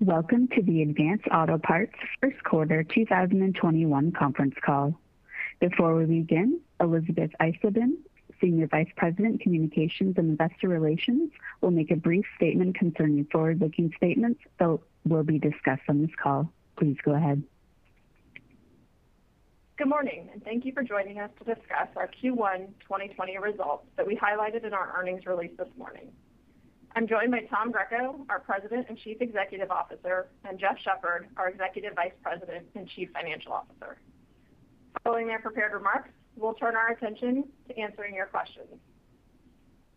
Welcome to the Advance Auto Parts First Quarter 2021 Conference Call. Before we begin, Elisabeth Olseth, Senior Vice President, Communications and Investor Relations, will make a brief statement concerning forward-looking statements that will be discussed on this call. Please go ahead. Good morning, and thank you for joining us to discuss our Q1 2021 results that we highlighted in our earnings release this morning. I'm joined by Tom Greco, our President and Chief Executive Officer, and Jeff Shepherd, our Executive Vice President and Chief Financial Officer. Following their prepared remarks, we'll turn our attention to answering your questions.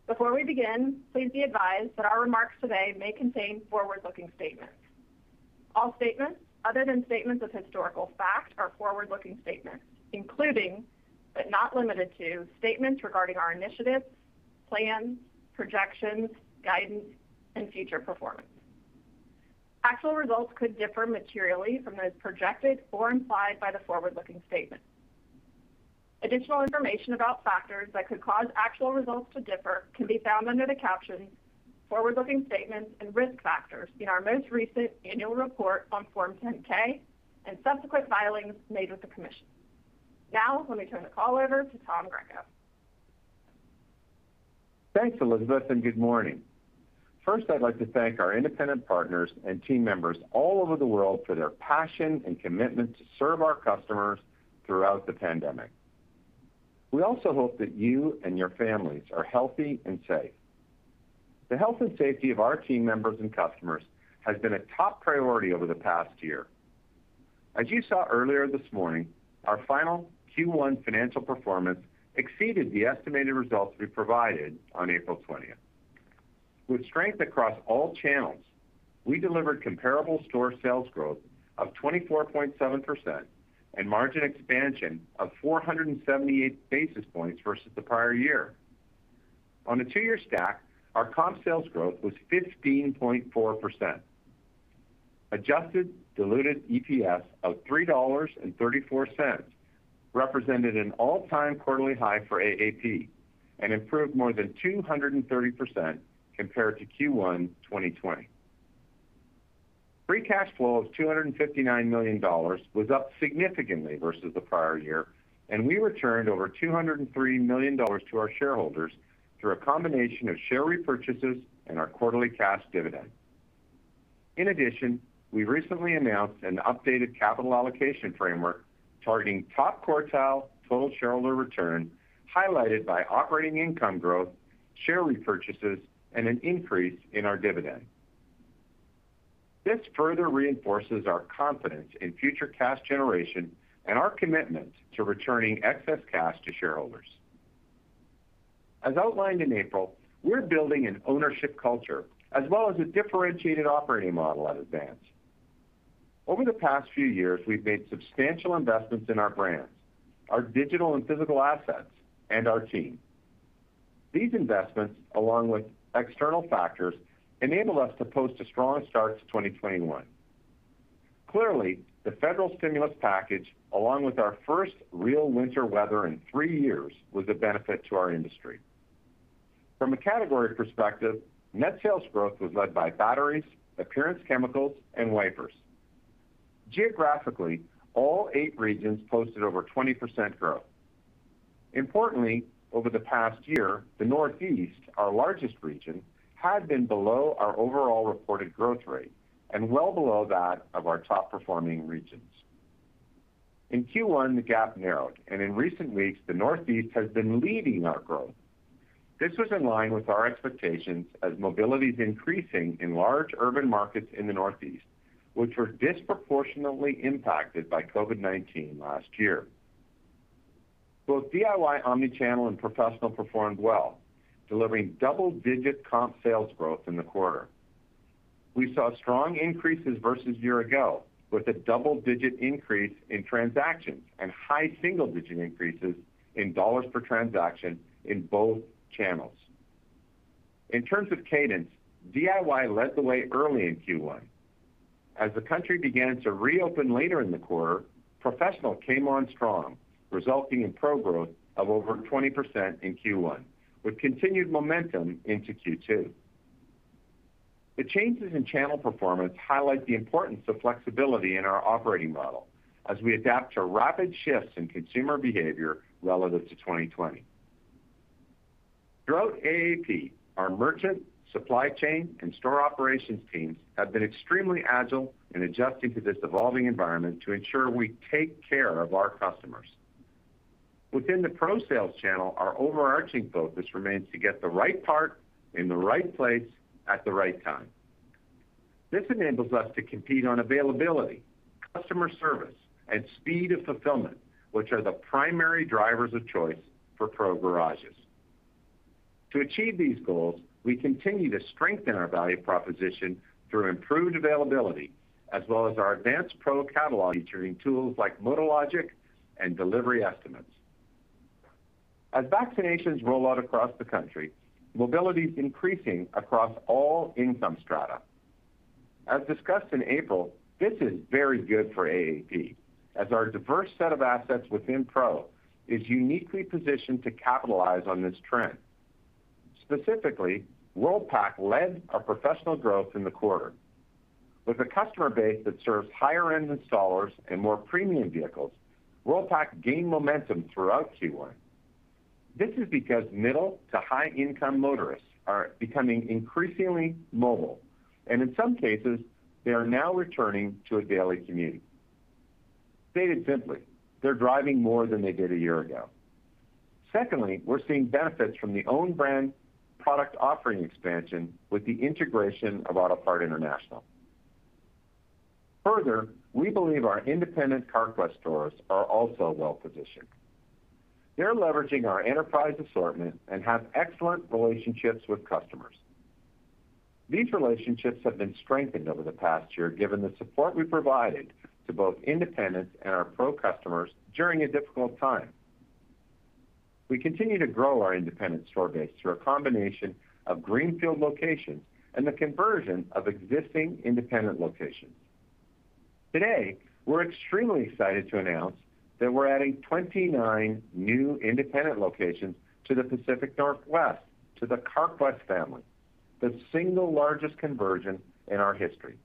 Before we begin, please be advised that our remarks today may contain forward-looking statements. All statements other than statements of historical fact are forward-looking statements, including, but not limited to, statements regarding our initiatives, plans, projections, guidance, and future performance. Actual results could differ materially from those projected or implied by the forward-looking statements. Additional information about factors that could cause actual results to differ can be found under the captions "Forward-Looking Statements" and "Risk Factors" in our most recent annual report on Form 10-K and subsequent filings made with the Commission. Now, let me turn the call over to Tom Greco. Thanks, Elisabeth, and good morning. First, I'd like to thank our independent partners and team members all over the world for their passion and commitment to serve our customers throughout the pandemic. We also hope that you and your families are healthy and safe. The health and safety of our team members and customers has been a top priority over the past year. As you saw earlier this morning, our final Q1 financial performance exceeded the estimated results we provided on April 20th. With strength across all channels, we delivered comparable store sales growth of 24.7% and margin expansion of 478 basis points versus the prior year. On a two-year stack, our comp sales growth was 15.4%. Adjusted diluted EPS of $3.34 represented an all-time quarterly high for AAP, and improved more than 230% compared to Q1 2020. Free cash flow of $259 million was up significantly versus the prior year. We returned over $203 million to our shareholders through a combination of share repurchases and our quarterly cash dividend. In addition, we recently announced an updated capital allocation framework targeting top-quartile total shareholder return, highlighted by operating income growth, share repurchases, and an increase in our dividend. This further reinforces our confidence in future cash generation and our commitment to returning excess cash to shareholders. As outlined in April, we're building an ownership culture as well as a differentiated operating model at Advance. Over the past few years, we've made substantial investments in our brands, our digital and physical assets, and our team. These investments, along with external factors, enabled us to post a strong start to 2021. Clearly, the federal stimulus package, along with our first real winter weather in three years, was a benefit to our industry. From a category perspective, net sales growth was led by batteries, appearance chemicals, and wipers. Geographically, all eight regions posted over 20% growth. Importantly, over the past year, the Northeast, our largest region, had been below our overall reported growth rate and well below that of our top-performing regions. In Q1, the gap narrowed, and in recent weeks, the Northeast has been leading our growth. This was in line with our expectations as mobility is increasing in large urban markets in the Northeast, which were disproportionately impacted by COVID-19 last year. Both DIY omnichannel and professional performed well, delivering double-digit comp sales growth in the quarter. We saw strong increases versus a year ago, with a double-digit increase in transactions and high single-digit increases in dollars per transaction in both channels. In terms of cadence, DIY led the way early in Q1. As the country began to reopen later in the quarter, professional came on strong, resulting in pro growth of over 20% in Q1, with continued momentum into Q2. The changes in channel performance highlight the importance of flexibility in our operating model as we adapt to rapid shifts in consumer behavior relative to 2020. Throughout AAP, our merchant, supply chain, and store operations teams have been extremely agile in adjusting to this evolving environment to ensure we take care of our customers. Within the pro sales channel, our overarching focus remains to get the right part in the right place at the right time. This enables us to compete on availability, customer service, and speed of fulfillment, which are the primary drivers of choice for pro garages. To achieve these goals, we continue to strengthen our value proposition through improved availability as well as our Advance Pro catalog featuring tools like MotoLogic and delivery estimates. As vaccinations roll out across the country, mobility is increasing across all income strata. As discussed in April, this is very good for AAP, as our diverse set of assets within pro is uniquely positioned to capitalize on this trend. Specifically, Worldpac led our professional growth in the quarter. With a customer base that serves higher-end installers and more premium vehicles, Worldpac gained momentum throughout Q1. This is because middle- to high-income motorists are becoming increasingly mobile, and in some cases, they are now returning to a daily commute. Stated simply, they're driving more than they did a year ago. Secondly, we're seeing benefits from the own brand product offering expansion with the integration of Autopart International. Further, we believe our independent Carquest stores are also well-positioned. They're leveraging our enterprise assortment and have excellent relationships with customers. These relationships have been strengthened over the past year, given the support we provided to both independents and our pro customers during a difficult time. We continue to grow our independent store base through a combination of greenfield locations and the conversion of existing independent locations. Today, we're extremely excited to announce that we're adding 29 new independent locations to the Pacific Northwest, to the Carquest family, the single largest conversion in our history.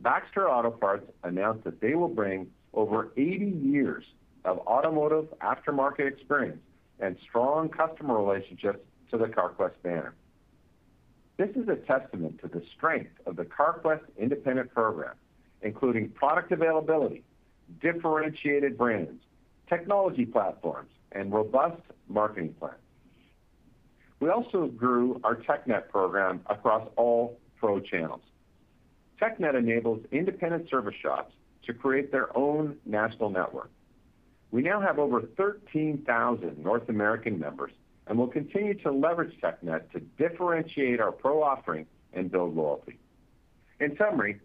Baxter Auto Parts announced that they will bring over 80 years of automotive aftermarket experience and strong customer relationships to the Carquest banner. This is a testament to the strength of the Carquest independent program, including product availability, differentiated brands, technology platforms, and robust marketing plans. We also grew our TechNet program across all pro channels. TechNet enables independent service shops to create their own national network. We now have over 13,000 North American members and will continue to leverage TechNet to differentiate our pro offering and build loyalty. In summary,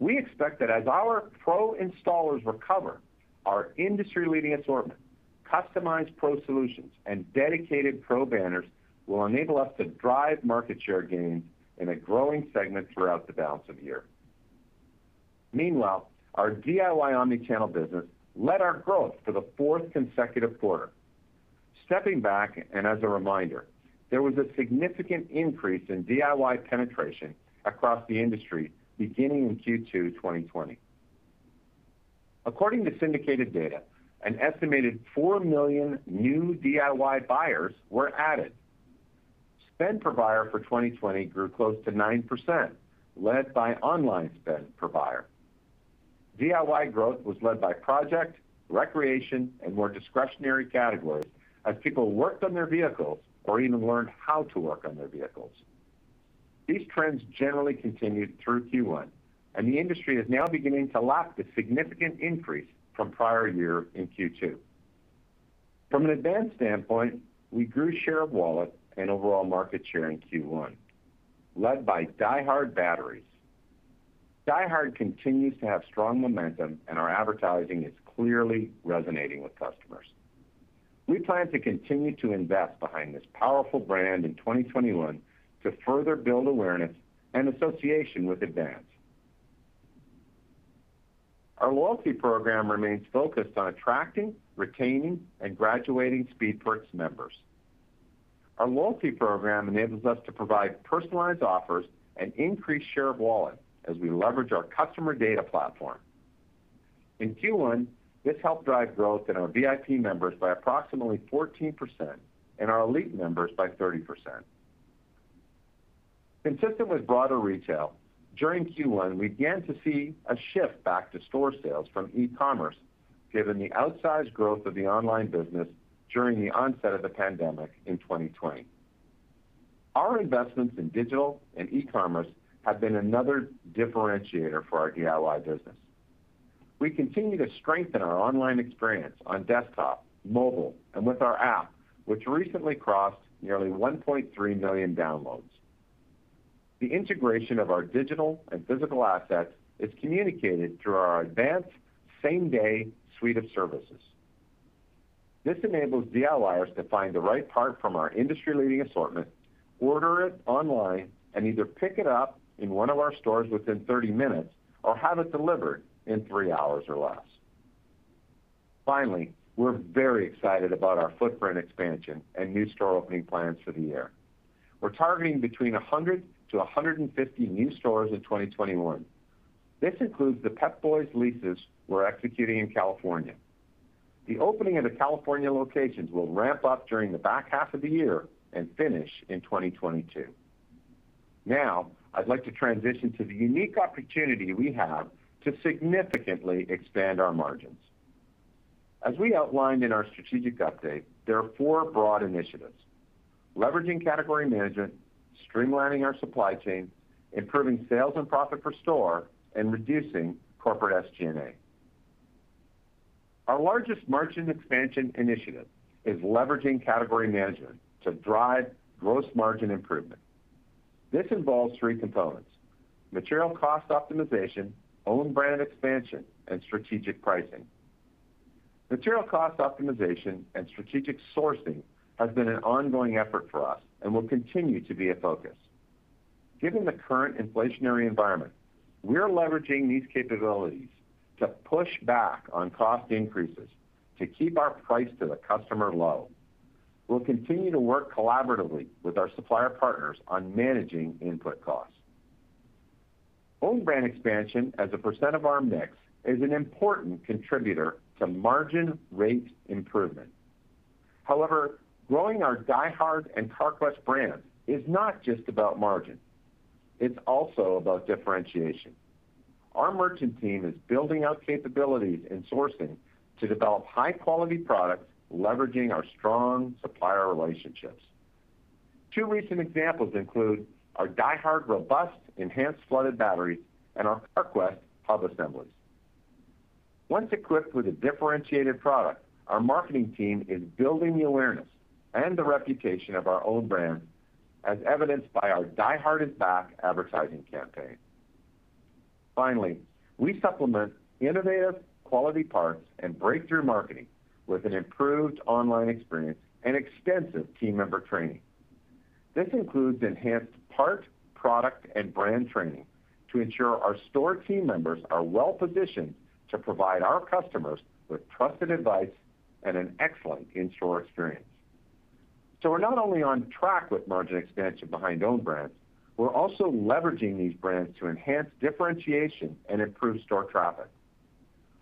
we expect that as our pro installers recover, our industry-leading assortment, customized pro solutions, and dedicated pro banners will enable us to drive market share gains in a growing segment throughout the balance of the year. Meanwhile, our DIY omni-channel business led our growth for the fourth consecutive quarter. Stepping back, as a reminder, there was a significant increase in DIY penetration across the industry beginning in Q2 2020. According to syndicated data, an estimated 4 million new DIY buyers were added. Spend per buyer for 2020 grew close to 9%, led by online spend per buyer. DIY growth was led by project, recreation, and more discretionary categories as people worked on their vehicles or even learned how to work on their vehicles. These trends generally continued through Q1, and the industry is now beginning to lap the significant increase from prior year in Q2. From an Advance standpoint, we grew share of wallet and overall market share in Q1, led by DieHard batteries. DieHard continues to have strong momentum, and our advertising is clearly resonating with customers. We plan to continue to invest behind this powerful brand in 2021 to further build awareness and association with Advance. Our loyalty program remains focused on attracting, retaining, and graduating Speed Perks members. Our loyalty program enables us to provide personalized offers and increase share of wallet as we leverage our customer data platform. In Q1, this helped drive growth in our VIP members by approximately 14% and our Elite members by 30%. Consistent with broader retail, during Q1, we began to see a shift back to store sales from e-commerce, given the outsized growth of the online business during the onset of the pandemic in 2020. Our investments in digital and e-commerce have been another differentiator for our DIY business. We continue to strengthen our online experience on desktop, mobile, and with our app, which recently crossed nearly 1.3 million downloads. The integration of our digital and physical assets is communicated through our Advance Same Day suite of services. This enables DIYers to find the right part from our industry-leading assortment, order it online, and either pick it up in one of our stores within 30 minutes or have it delivered in three hours or less. Finally, we're very excited about our footprint expansion and new store opening plans for the year. We're targeting between 100-150 new stores in 2021. This includes the Pep Boys leases we're executing in California. The opening of the California locations will ramp up during the back half of the year and finish in 2022. Now, I'd like to transition to the unique opportunity we have to significantly expand our margins. As we outlined in our strategic update, there are four broad initiatives, leveraging category management, streamlining our supply chain, improving sales and profit per store, and reducing corporate SG&A. Our largest margin expansion initiative is leveraging category management to drive gross margin improvement. This involves three components: material cost optimization, own brand expansion, and strategic pricing. Material cost optimization and strategic sourcing has been an ongoing effort for us and will continue to be a focus. Given the current inflationary environment, we're leveraging these capabilities to push back on cost increases to keep our price to the customer low. We'll continue to work collaboratively with our supplier partners on managing input costs. Own brand expansion as a percent of our mix is an important contributor to margin rate improvement. Growing our DieHard and Carquest brand is not just about margin. It's also about differentiation. Our merchant team is building out capabilities and sourcing to develop high-quality products, leveraging our strong supplier relationships. Two recent examples include our DieHard robust enhanced flooded batteries and our Carquest hub assemblies. Once equipped with a differentiated product, our marketing team is building the awareness and the reputation of our own brands, as evidenced by our DieHard is back advertising campaign. Finally, we supplement innovative quality parts and breakthrough marketing with an improved online experience and extensive team member training. This includes enhanced parts, product, and brand training to ensure our store team members are well-positioned to provide our customers with trusted advice and an excellent in-store experience. We're not only on track with margin expansion behind own brands, we're also leveraging these brands to enhance differentiation and improve store traffic.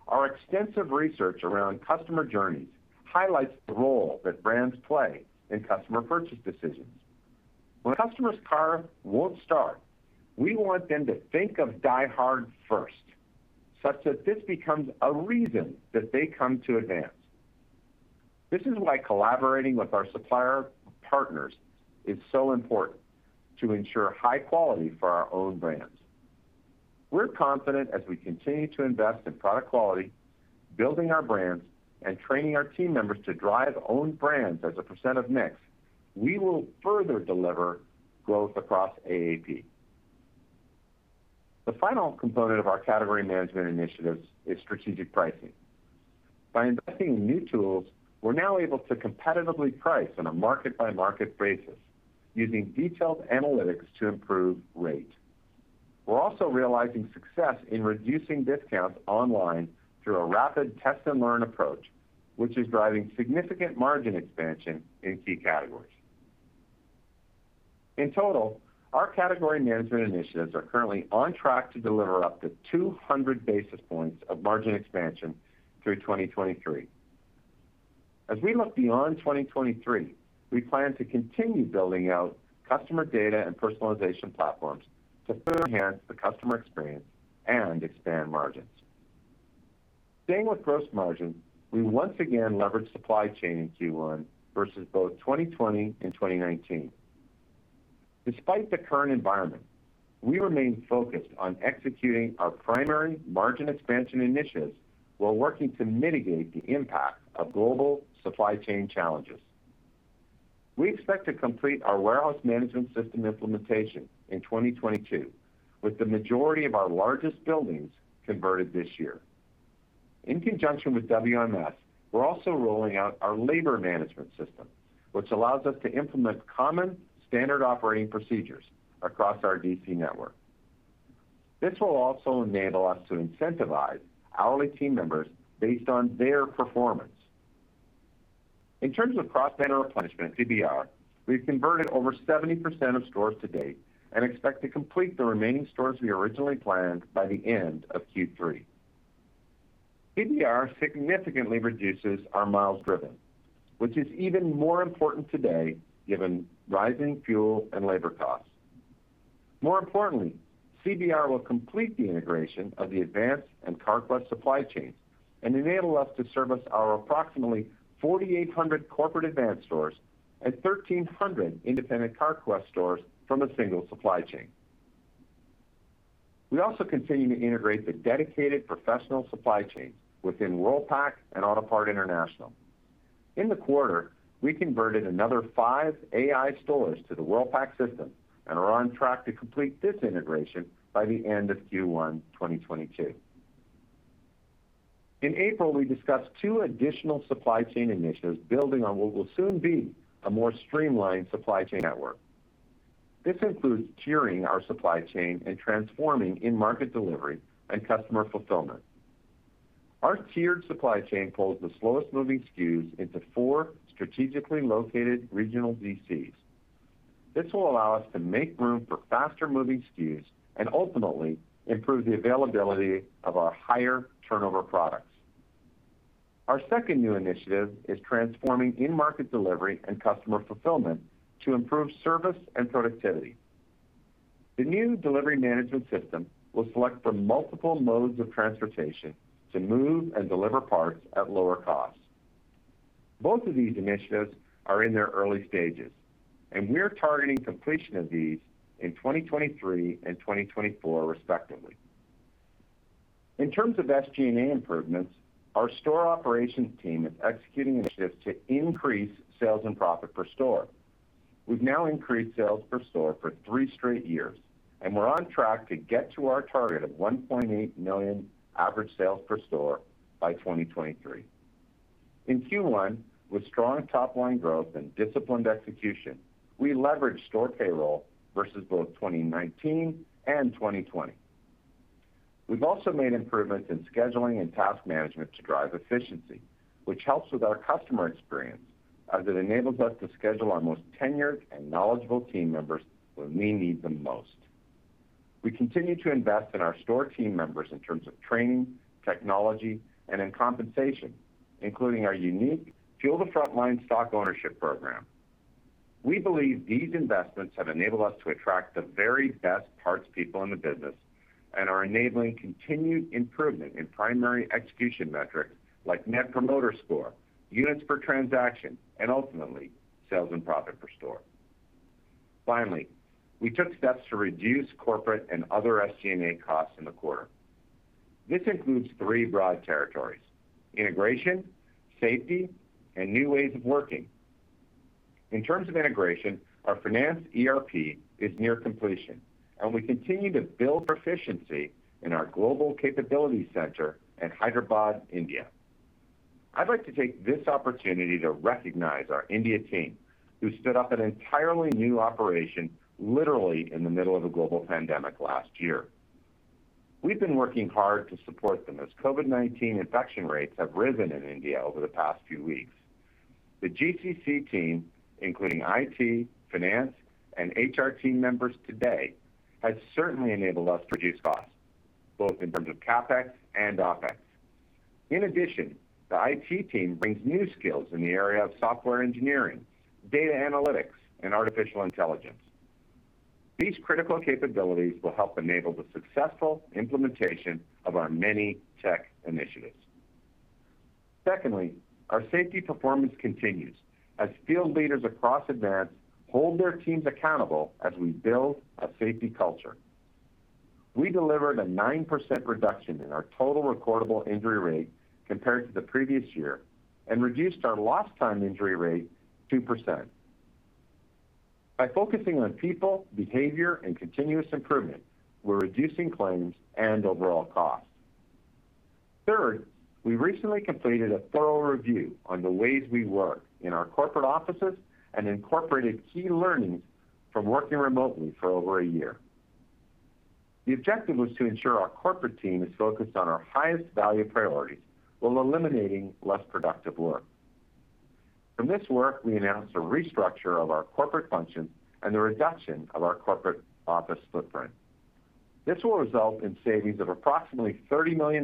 Our extensive research around customer journeys highlights the role that brands play in customer purchase decisions. When a customer's car won't start, we want them to think of DieHard first, such that this becomes a reason that they come to Advance. This is why collaborating with our supplier partners is so important to ensure high quality for our own brands. We're confident as we continue to invest in product quality, building our brands, and training our team members to drive own brands as a percent of mix. We will further deliver growth across AAP. The final component of our category management initiatives is strategic pricing. By investing in new tools, we're now able to competitively price on a market-by-market basis using detailed analytics to improve rate. We're also realizing success in reducing discounts online through a rapid test-and-learn approach, which is driving significant margin expansion in key categories. In total, our category management initiatives are currently on track to deliver up to 200 basis points of margin expansion through 2023. As we look beyond 2023, we plan to continue building out customer data and personalization platforms to further enhance the customer experience and expand margins. Staying with gross margin, we once again leveraged supply chain in Q1 versus both 2020 and 2019. Despite the current environment, we remain focused on executing our primary margin expansion initiatives while working to mitigate the impact of global supply chain challenges. We expect to complete our warehouse management system implementation in 2022, with the majority of our largest buildings converted this year. In conjunction with WMS, we're also rolling out our labor management system, which allows us to implement common standard operating procedures across our DC network. This will also enable us to incentivize hourly team members based on their performance. In terms of cross-banner replenishment, CBR, we've converted over 70% of stores to date and expect to complete the remaining stores we originally planned by the end of Q3. CBR significantly reduces our miles driven, which is even more important today given rising fuel and labor costs. More importantly, CBR will complete the integration of the Advance and Carquest supply chain and enable us to service our approximately 4,800 corporate Advance stores and 1,300 independent Carquest stores from a single supply chain. We also continue to integrate the dedicated professional supply chain within Worldpac and Autopart International. In the quarter, we converted another five AI stores to the Worldpac system and are on track to complete this integration by the end of Q1 2022. In April, we discussed two additional supply chain initiatives building on what will soon be a more streamlined supply chain network. This includes tiering our supply chain and transforming in-market delivery and customer fulfillment. Our tiered supply chain pulls the slowest moving SKUs into four strategically located regional DCs. This will allow us to make room for faster-moving SKUs and ultimately improve the availability of our higher-turnover products. Our second new initiative is transforming in-market delivery and customer fulfillment to improve service and productivity. The new delivery management system will select from multiple modes of transportation to move and deliver parts at lower costs. Both of these initiatives are in their early stages, and we're targeting completion of these in 2023 and 2024 respectively. In terms of SG&A improvements, our store operations team is executing a shift to increase sales and profit per store. We've now increased sales per store for three straight years, and we're on track to get to our target of $1.8 million average sales per store by 2023. In Q1, with strong top-line growth and disciplined execution, we leveraged store payroll versus both 2019 and 2020. We've also made improvements in scheduling and task management to drive efficiency, which helps with our customer experience, as it enables us to schedule our most tenured and knowledgeable team members when we need them most. We continue to invest in our store team members in terms of training, technology, and in compensation, including our unique Fuel the Frontline stock ownership program. We believe these investments have enabled us to attract the very best parts people in the business and are enabling continued improvement in primary execution metrics like net promoter score, units per transaction, and ultimately, sales and profit per store. Finally, we took steps to reduce corporate and other SG&A costs in the quarter. This includes three broad territories, integration, safety, and new ways of working. In terms of integration, our finance ERP is near completion, and we continue to build efficiency in our global capability center in Hyderabad, India. I'd like to take this opportunity to recognize our India team, who stood up an entirely new operation literally in the middle of a global pandemic last year. We've been working hard to support them as COVID-19 infection rates have risen in India over the past few weeks. The GCC team, including IT, finance, and HR team members today, has certainly enabled us to reduce costs, both in terms of CapEx and OpEx. In addition, the IT team brings new skills in the area of software engineering, data analytics, and artificial intelligence. These critical capabilities will help enable the successful implementation of our many tech initiatives. Secondly, our safety performance continues as field leaders across Advance hold their teams accountable as we build a safety culture. We delivered a 9% reduction in our total recordable injury rate compared to the previous year and reduced our lost time injury rate 2%. By focusing on people, behavior, and continuous improvement, we're reducing claims and overall costs. Third, we recently completed a thorough review on the ways we work in our corporate offices and incorporated key learnings from working remotely for over a year. The objective was to ensure our corporate team is focused on our highest value priorities while eliminating less productive work. From this work, we announced a restructure of our corporate functions and the reduction of our corporate office footprint. This will result in savings of approximately $30 million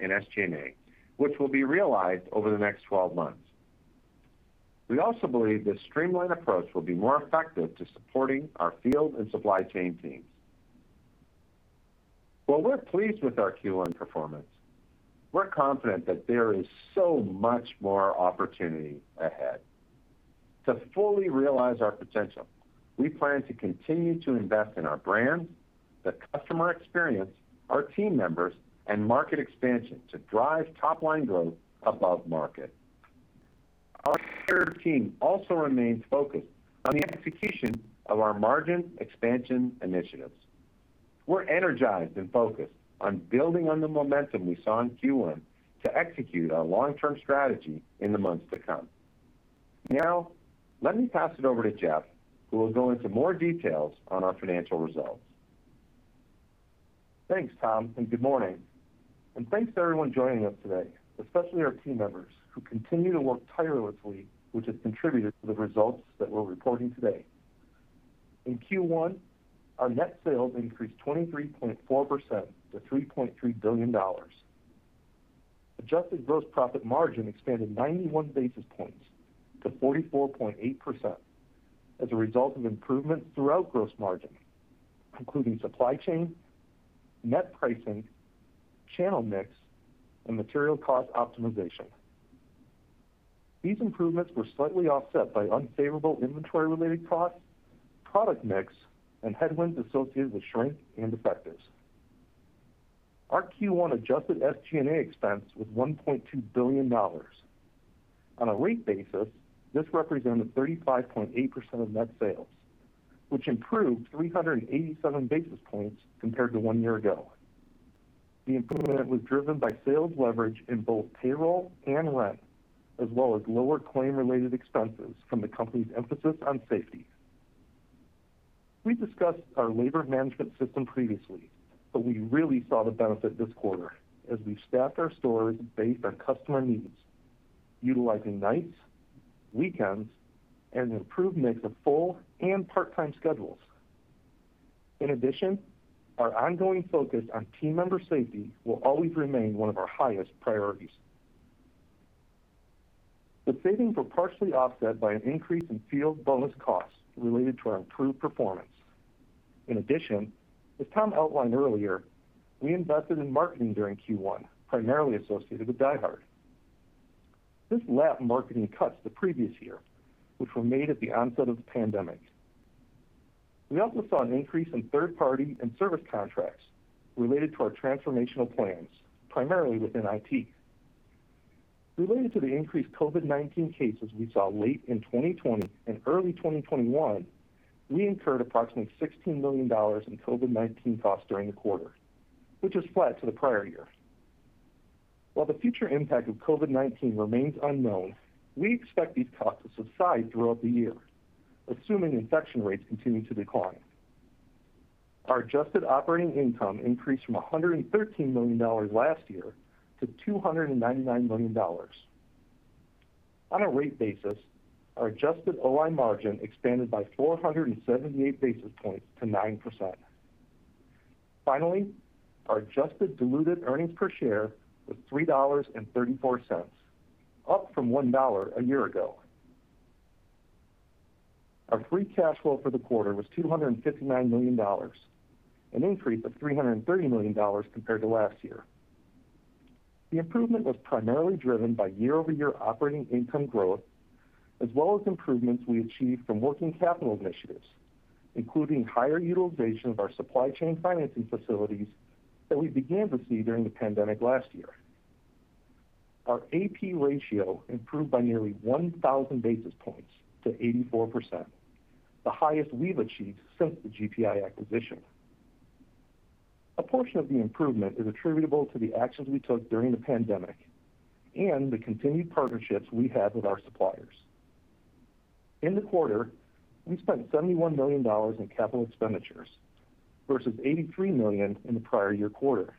in SG&A, which will be realized over the next 12 months. We also believe this streamlined approach will be more effective to supporting our field and supply chain teams. While we're pleased with our Q1 performance, we're confident that there is so much more opportunity ahead. To fully realize our potential, we plan to continue to invest in our brand, the customer experience, our team members, and market expansion to drive top-line growth above market. Our team also remains focused on the execution of our margin expansion initiatives. We're energized and focused on building on the momentum we saw in Q1 to execute our long-term strategy in the months to come. Now, let me pass it over to Jeff, who will go into more details on our financial results. Thanks, Tom, and good morning, and thanks everyone joining us today, especially our team members who continue to work tirelessly, which has contributed to the results that we're reporting today. In Q1, our net sales increased 23.4% to $3.3 billion. Adjusted gross profit margin expanded 91 basis points to 44.8% as a result of improvement throughout gross margin, including supply chain, net pricing, channel mix, and material cost optimization. These improvements were slightly offset by unfavorable inventory-related costs, product mix, and headwinds associated with shrink and defectives. Our Q1 adjusted SG&A expense was $1.2 billion. On a rate basis, this represented 35.8% of net sales, which improved 387 basis points compared to one year ago. The improvement was driven by sales leverage in both payroll and rent, as well as lower claim-related expenses from the company's emphasis on safety. We discussed our labor management system previously, but we really saw the benefit this quarter as we staffed our stores based on customer needs, utilizing nights, weekends, and an improved mix of full and part-time schedules. In addition, our ongoing focus on team member safety will always remain one of our highest priorities. The savings were partially offset by an increase in field bonus costs related to our improved performance. In addition, as Tom outlined earlier, we invested in marketing during Q1, primarily associated with DieHard. This lapped marketing cuts the previous year, which were made at the onset of the pandemic. We also saw an increase in third party and service contracts related to our transformational plans, primarily within IT. Related to the increased COVID-19 cases we saw late in 2020 and early 2021, we incurred approximately $16 million in COVID-19 costs during the quarter, which was flat to the prior year. While the future impact of COVID-19 remains unknown, we expect these costs to subside throughout the year, assuming infection rates continue to decline. Our adjusted operating income increased from $113 million last year to $299 million. On a rate basis, our adjusted OI margin expanded by 478 basis points to 9%. Finally, our adjusted diluted earnings per share was $3.34, up from $1 a year ago. Our free cash flow for the quarter was $259 million, an increase of $330 million compared to last year. The improvement was primarily driven by year-over-year operating income growth, as well as improvements we achieved from working capital initiatives, including higher utilization of our supply chain financing facilities that we began to see during the pandemic last year. Our AP ratio improved by nearly 1,000 basis points to 84%, the highest we've achieved since the GPI acquisition. A portion of the improvement is attributable to the actions we took during the pandemic and the continued partnerships we have with our suppliers. In the quarter, we spent $71 million in capital expenditures versus $83 million in the prior year quarter.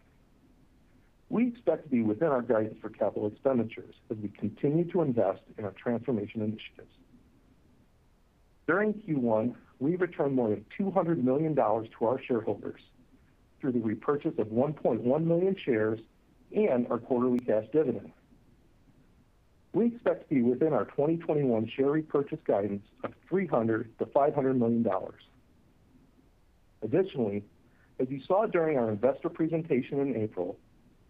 We expect to be within our guidance for capital expenditures as we continue to invest in our transformation initiatives. During Q1, we returned more than $200 million to our shareholders through the repurchase of 1.1 million shares and our quarterly cash dividend. We expect to be within our 2021 share repurchase guidance of $300-$500 million. As you saw during our investor presentation in April,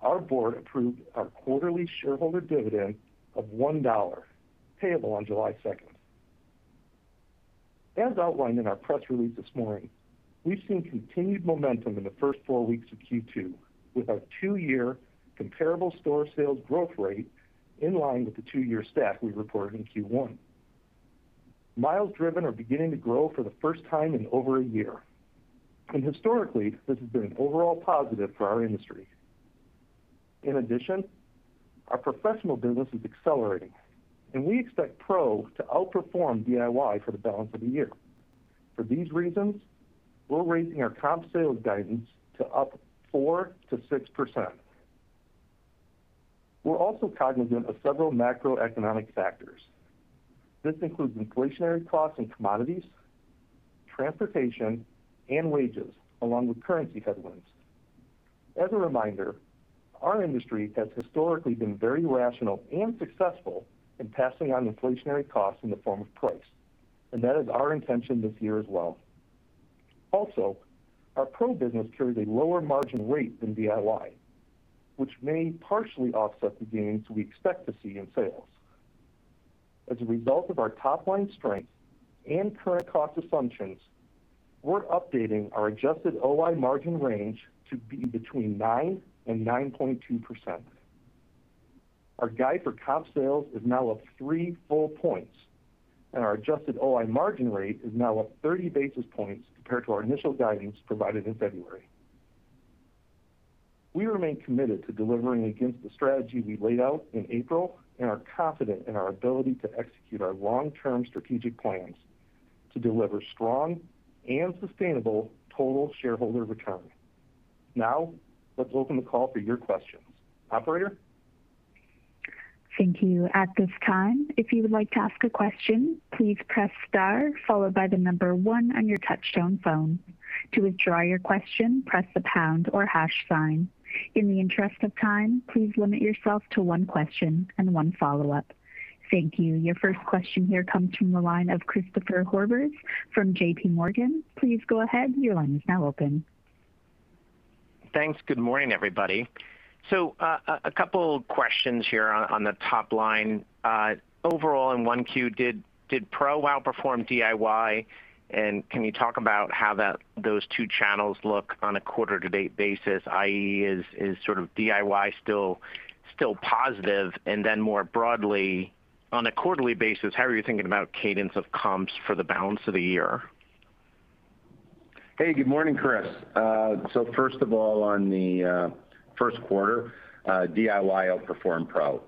our board approved our quarterly shareholder dividend of $1 payable on July 2nd. As outlined in our press release this morning, we've seen continued momentum in the first four weeks of Q2 with our two-year comparable store sales growth rate in line with the two-year stack we reported in Q1. Miles driven are beginning to grow for the first time in over one year, historically, this has been an overall positive for our industry. Our professional business is accelerating, we expect Pro to outperform DIY for the balance of the year. For these reasons, we're raising our comp sales guidance to up 4%-6%. We're also cognizant of several macroeconomic factors. This includes inflationary costs and commodities, transportation, and wages along with currency headwinds. As a reminder, our industry has historically been very rational and successful in passing on inflationary costs in the form of price, and that is our intention this year as well. Also, our Pro business carries a lower margin rate than DIY, which may partially offset the gains we expect to see in sales. As a result of our top-line strength and current cost assumptions, we're updating our adjusted OI margin range to be between 9% and 9.2%. Our guide for comp sales is now up three full points, and our adjusted OI margin rate is now up 30 basis points compared to our initial guidance provided in February. We remain committed to delivering against the strategy we laid out in April and are confident in our ability to execute our long-term strategic plans to deliver strong and sustainable total shareholder return. Now, let's open the call for your questions. Operator? Thank you. At this time, if you would like to ask a question, please press star followed by the number one on your touchtone phone. To withdraw your question, press the pound or hash sign. In the interest of time, please limit yourself to one question and one follow-up. Thank you. Your first question here comes from the line of Christopher Horvers from JPMorgan. Please go ahead. Your line is now open. Thanks. Good morning, everybody. A couple questions here on the top line. Overall in 1Q, did Pro outperform DIY? Can you talk about how those two channels look on a quarter to date basis, i.e. is sort of DIY still positive? More broadly, on a quarterly basis, how are you thinking about cadence of comps for the balance of the year? Hey, good morning, Chris. First of all, on the first quarter, DIY outperformed pro.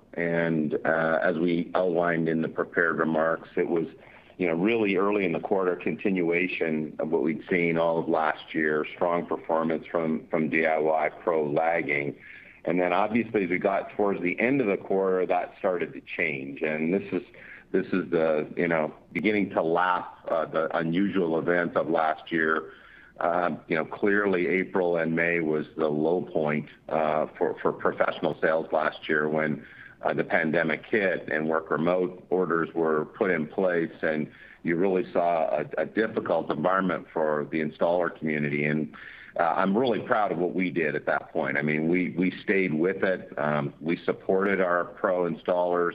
As we outlined in the prepared remarks, it was really early in the quarter, continuation of what we'd seen all of last year, strong performance from DIY, pro lagging. Then obviously, as we got towards the end of the quarter, that started to change. This is beginning to lap the unusual events of last year. Clearly, April and May was the low point for professional sales last year when the pandemic hit and work remote orders were put in place, and you really saw a difficult environment for the installer community. I'm really proud of what we did at that point. We stayed with it. We supported our pro installers.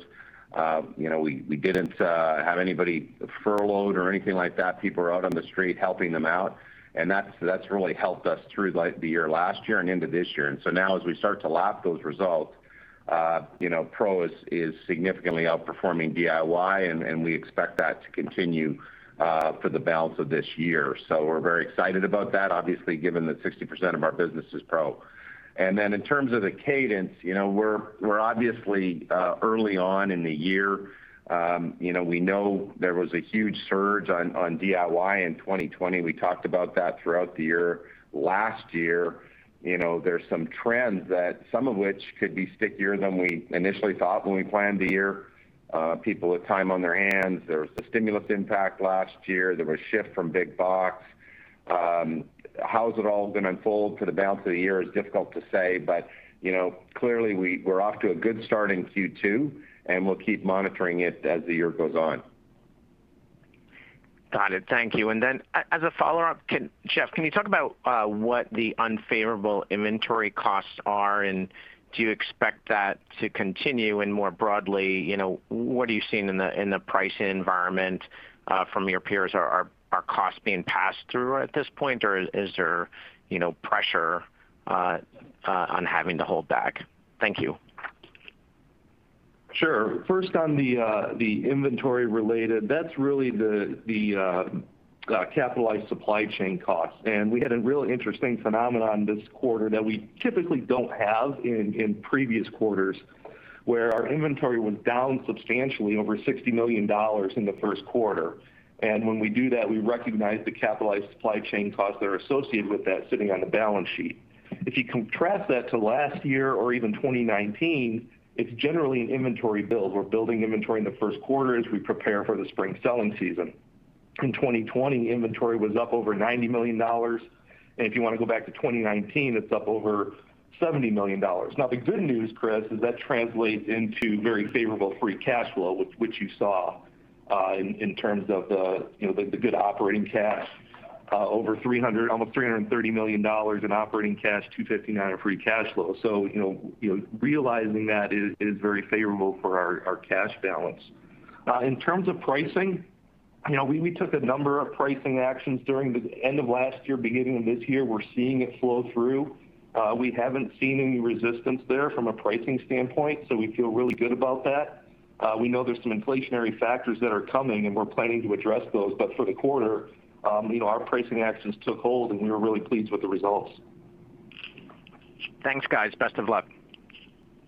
We didn't have anybody furloughed or anything like that. People were out on the street helping them out. That's really helped us through the year last year and into this year. Now as we start to lap those results, Pro is significantly outperforming DIY. We expect that to continue for the balance of this year. We're very excited about that, obviously, given that 60% of our business is Pro. In terms of the cadence, we're obviously early on in the year. We know there was a huge surge on DIY in 2020. We talked about that throughout the year. Last year, there's some trends that some of which could be stickier than we initially thought when we planned the year. People with time on their hands. There was the stimulus impact last year. There was shift from big box. How's it all going to unfold for the balance of the year is difficult to say. Clearly, we're off to a good start in Q2, and we'll keep monitoring it as the year goes on. Got it. Thank you. As a follow-up, Jeff, can you talk about what the unfavorable inventory costs are, do you expect that to continue? More broadly, what are you seeing in the pricing environment from your peers? Are costs being passed through at this point, or is there pressure on having to hold back? Thank you. Sure. First on the inventory related, that's really the capitalized supply chain costs. We had a really interesting phenomenon this quarter that we typically don't have in previous quarters, where our inventory was down substantially, over $60 million in the first quarter. When we do that, we recognize the capitalized supply chain costs that are associated with that sitting on the balance sheet. If you contrast that to last year or even 2019, it's generally an inventory build. We're building inventory in the first quarter as we prepare for the spring selling season. In 2020, inventory was up over $90 million, and if you want to go back to 2019, it's up over $70 million. The good news, Chris, is that translates into very favorable free cash flow, which you saw in terms of the good operating cash. Over almost $330 million in operating cash, $259 million of free cash flow. Realizing that is very favorable for our cash balance. In terms of pricing, we took a number of pricing actions during the end of last year, beginning of this year. We're seeing it flow through. We haven't seen any resistance there from a pricing standpoint, so we feel really good about that. We know there's some inflationary factors that are coming, and we're planning to address those. For the quarter, our pricing actions took hold, and we were really pleased with the results. Thanks, guys. Best of luck.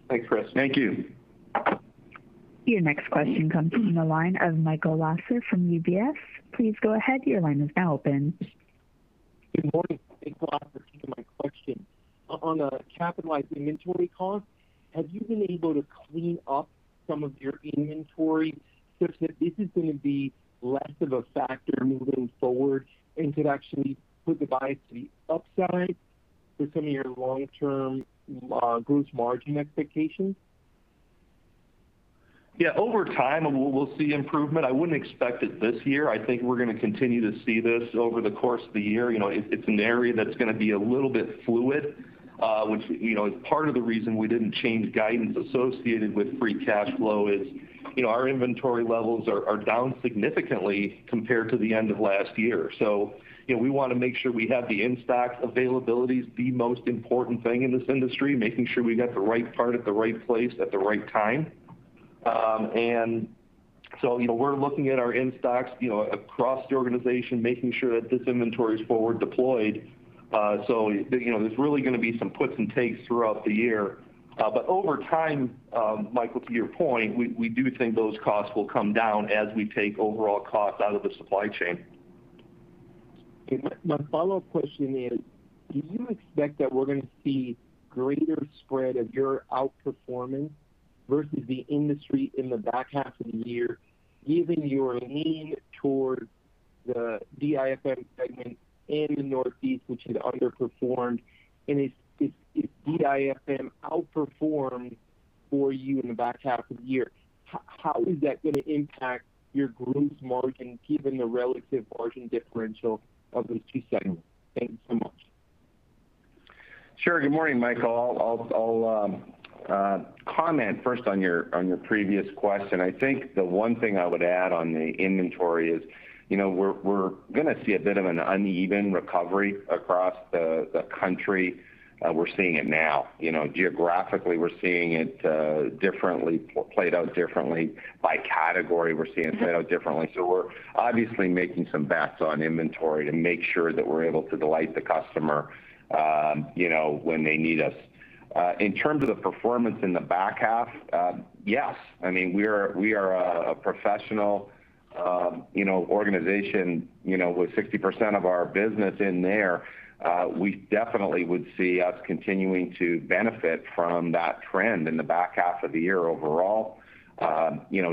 Thanks, Chris. Thank you. Your next question comes from the line of Michael Lasser from UBS. Please go ahead, your line is now open. Good morning. Thanks for taking my question. On the capitalized inventory cost, have you been able to clean up some of your inventory such that this is going to be less of a factor moving forward and could actually put the bias to the upside for some of your long-term gross margin expectations? Yeah, over time, we'll see improvement. I wouldn't expect it this year. I think we're going to continue to see this over the course of the year. It's an area that's going to be a little bit fluid, which is part of the reason we didn't change guidance associated with free cash flow is our inventory levels are down significantly compared to the end of last year. We want to make sure we have the in-stock availability, the most important thing in this industry, making sure we got the right part at the right place at the right time. We're looking at our in-stocks across the organization, making sure that this inventory is forward deployed. There's really going to be some puts and takes throughout the year. Over time, Michael, to your point, we do think those costs will come down as we take overall costs out of the supply chain. My follow-up question is, do you expect that we're going to see greater spread of your outperformance versus the industry in the back half of the year, given your lean towards the DIFM segment in the Northeast, which has underperformed? If DIFM outperformed for you in the back half of the year, how is that going to impact your gross margin, given the relative margin differential of the two segments? Thanks so much. Sure. Good morning, Michael. I'll comment first on your previous question. I think the one thing I would add on the inventory is, we're going to see a bit of an uneven recovery across the country. We're seeing it now. Geographically, we're seeing it played out differently by category. We're seeing it played out differently. We're obviously making some bets on inventory to make sure that we're able to delight the customer, when they need us. In terms of the performance in the back half, yes. We are a professional organization with 60% of our business in there. We definitely would see us continuing to benefit from that trend in the back half of the year overall.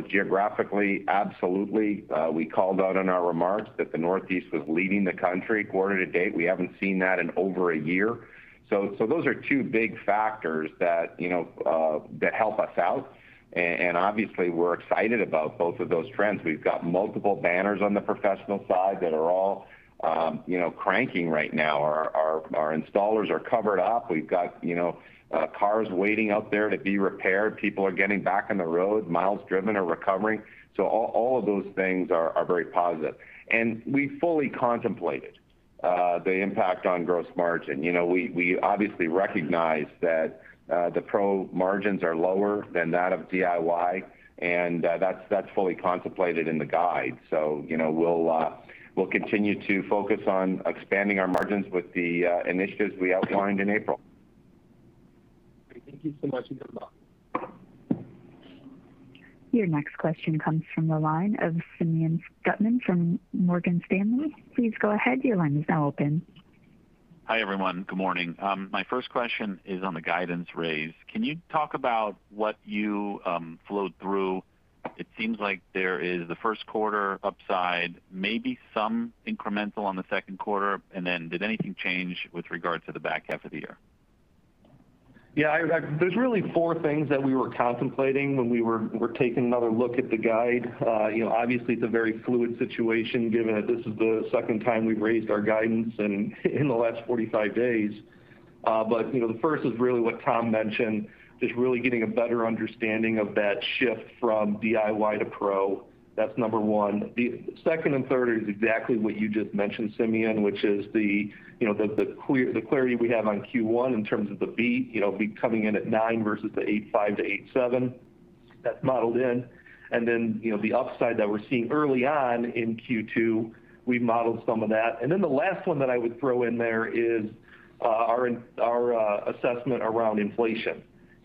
Geographically, absolutely. We called out on our remarks that the Northeast was leading the country quarter to date. We haven't seen that in over a year. Those are two big factors that help us out, and obviously we're excited about both of those trends. We've got multiple banners on the professional side that are all cranking right now. Our installers are covered up. We've got cars waiting out there to be repaired. People are getting back on the road. Miles driven are recovering. All of those things are very positive. We fully contemplated the impact on gross margin. We obviously recognize that the pro margins are lower than that of DIY, and that's fully contemplated in the guide. We'll continue to focus on expanding our margins with the initiatives we outlined in April. Great. Thank you so much. Good luck. Your next question comes from the line of Simeon Gutman from Morgan Stanley. Please go ahead. Your line is now open. Hi, everyone. Good morning. My first question is on the guidance raise. Can you talk about what you flowed through? It seems like there is the first quarter upside, maybe some incremental on the second quarter, and then did anything change with regard to the back half of the year? There's really four things that we were contemplating when we were taking another look at the guide. Obviously, it's a very fluid situation given that this is the second time we've raised our guidance in the last 45 days. The first is really what Tom mentioned, just really getting a better understanding of that shift from DIY to pro. That's number one. The second and third is exactly what you just mentioned, Simeon, which is the clarity we have on Q1 in terms of the beat. We coming in at 9% versus the 8.5%-8.7%. That's modeled in. The upside that we're seeing early on in Q2, we've modeled some of that. The last one that I would throw in there is our assessment around inflation.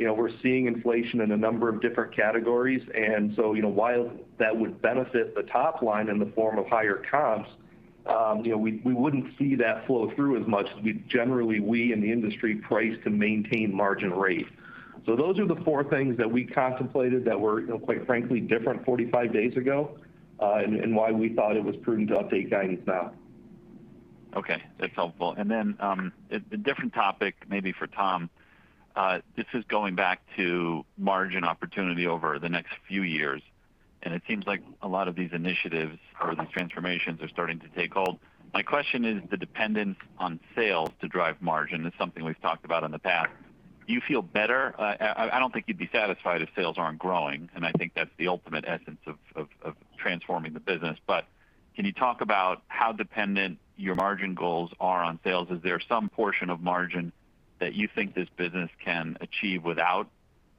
We're seeing inflation in a number of different categories. While that would benefit the top line in the form of higher comps, we wouldn't see that flow through as much as generally, we in the industry price to maintain margin rate. Those are the four things that we contemplated that were, quite frankly, different 45 days ago. Why we thought it was prudent to update guidance now. Okay. That's helpful. Then, a different topic maybe for Tom. This is going back to margin opportunity over the next few years, and it seems like a lot of these initiatives or these transformations are starting to take hold. My question is the dependence on sales to drive margin is something we've talked about in the past. Do you feel better? I don't think you'd be satisfied if sales aren't growing, and I think that's the ultimate essence of transforming the business. Can you talk about how dependent your margin goals are on sales? Is there some portion of margin that you think this business can achieve without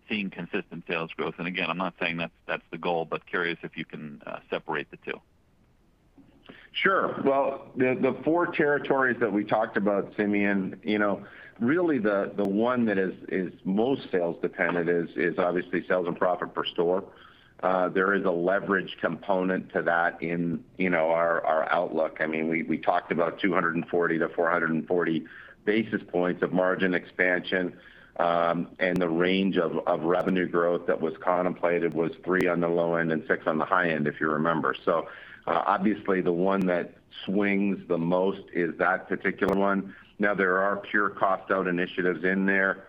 seeing consistent sales growth? Again, I'm not saying that's the goal, but curious if you can separate the two. Sure. The four territories that we talked about, Simeon, really the one that is most sales dependent is obviously sales and profit per store. There is a leverage component to that in our outlook. We talked about 240-440 basis points of margin expansion, and the range of revenue growth that was contemplated was three on the low end and six on the high end, if you remember. Obviously the one that swings the most is that particular one. There are pure cost out initiatives in there,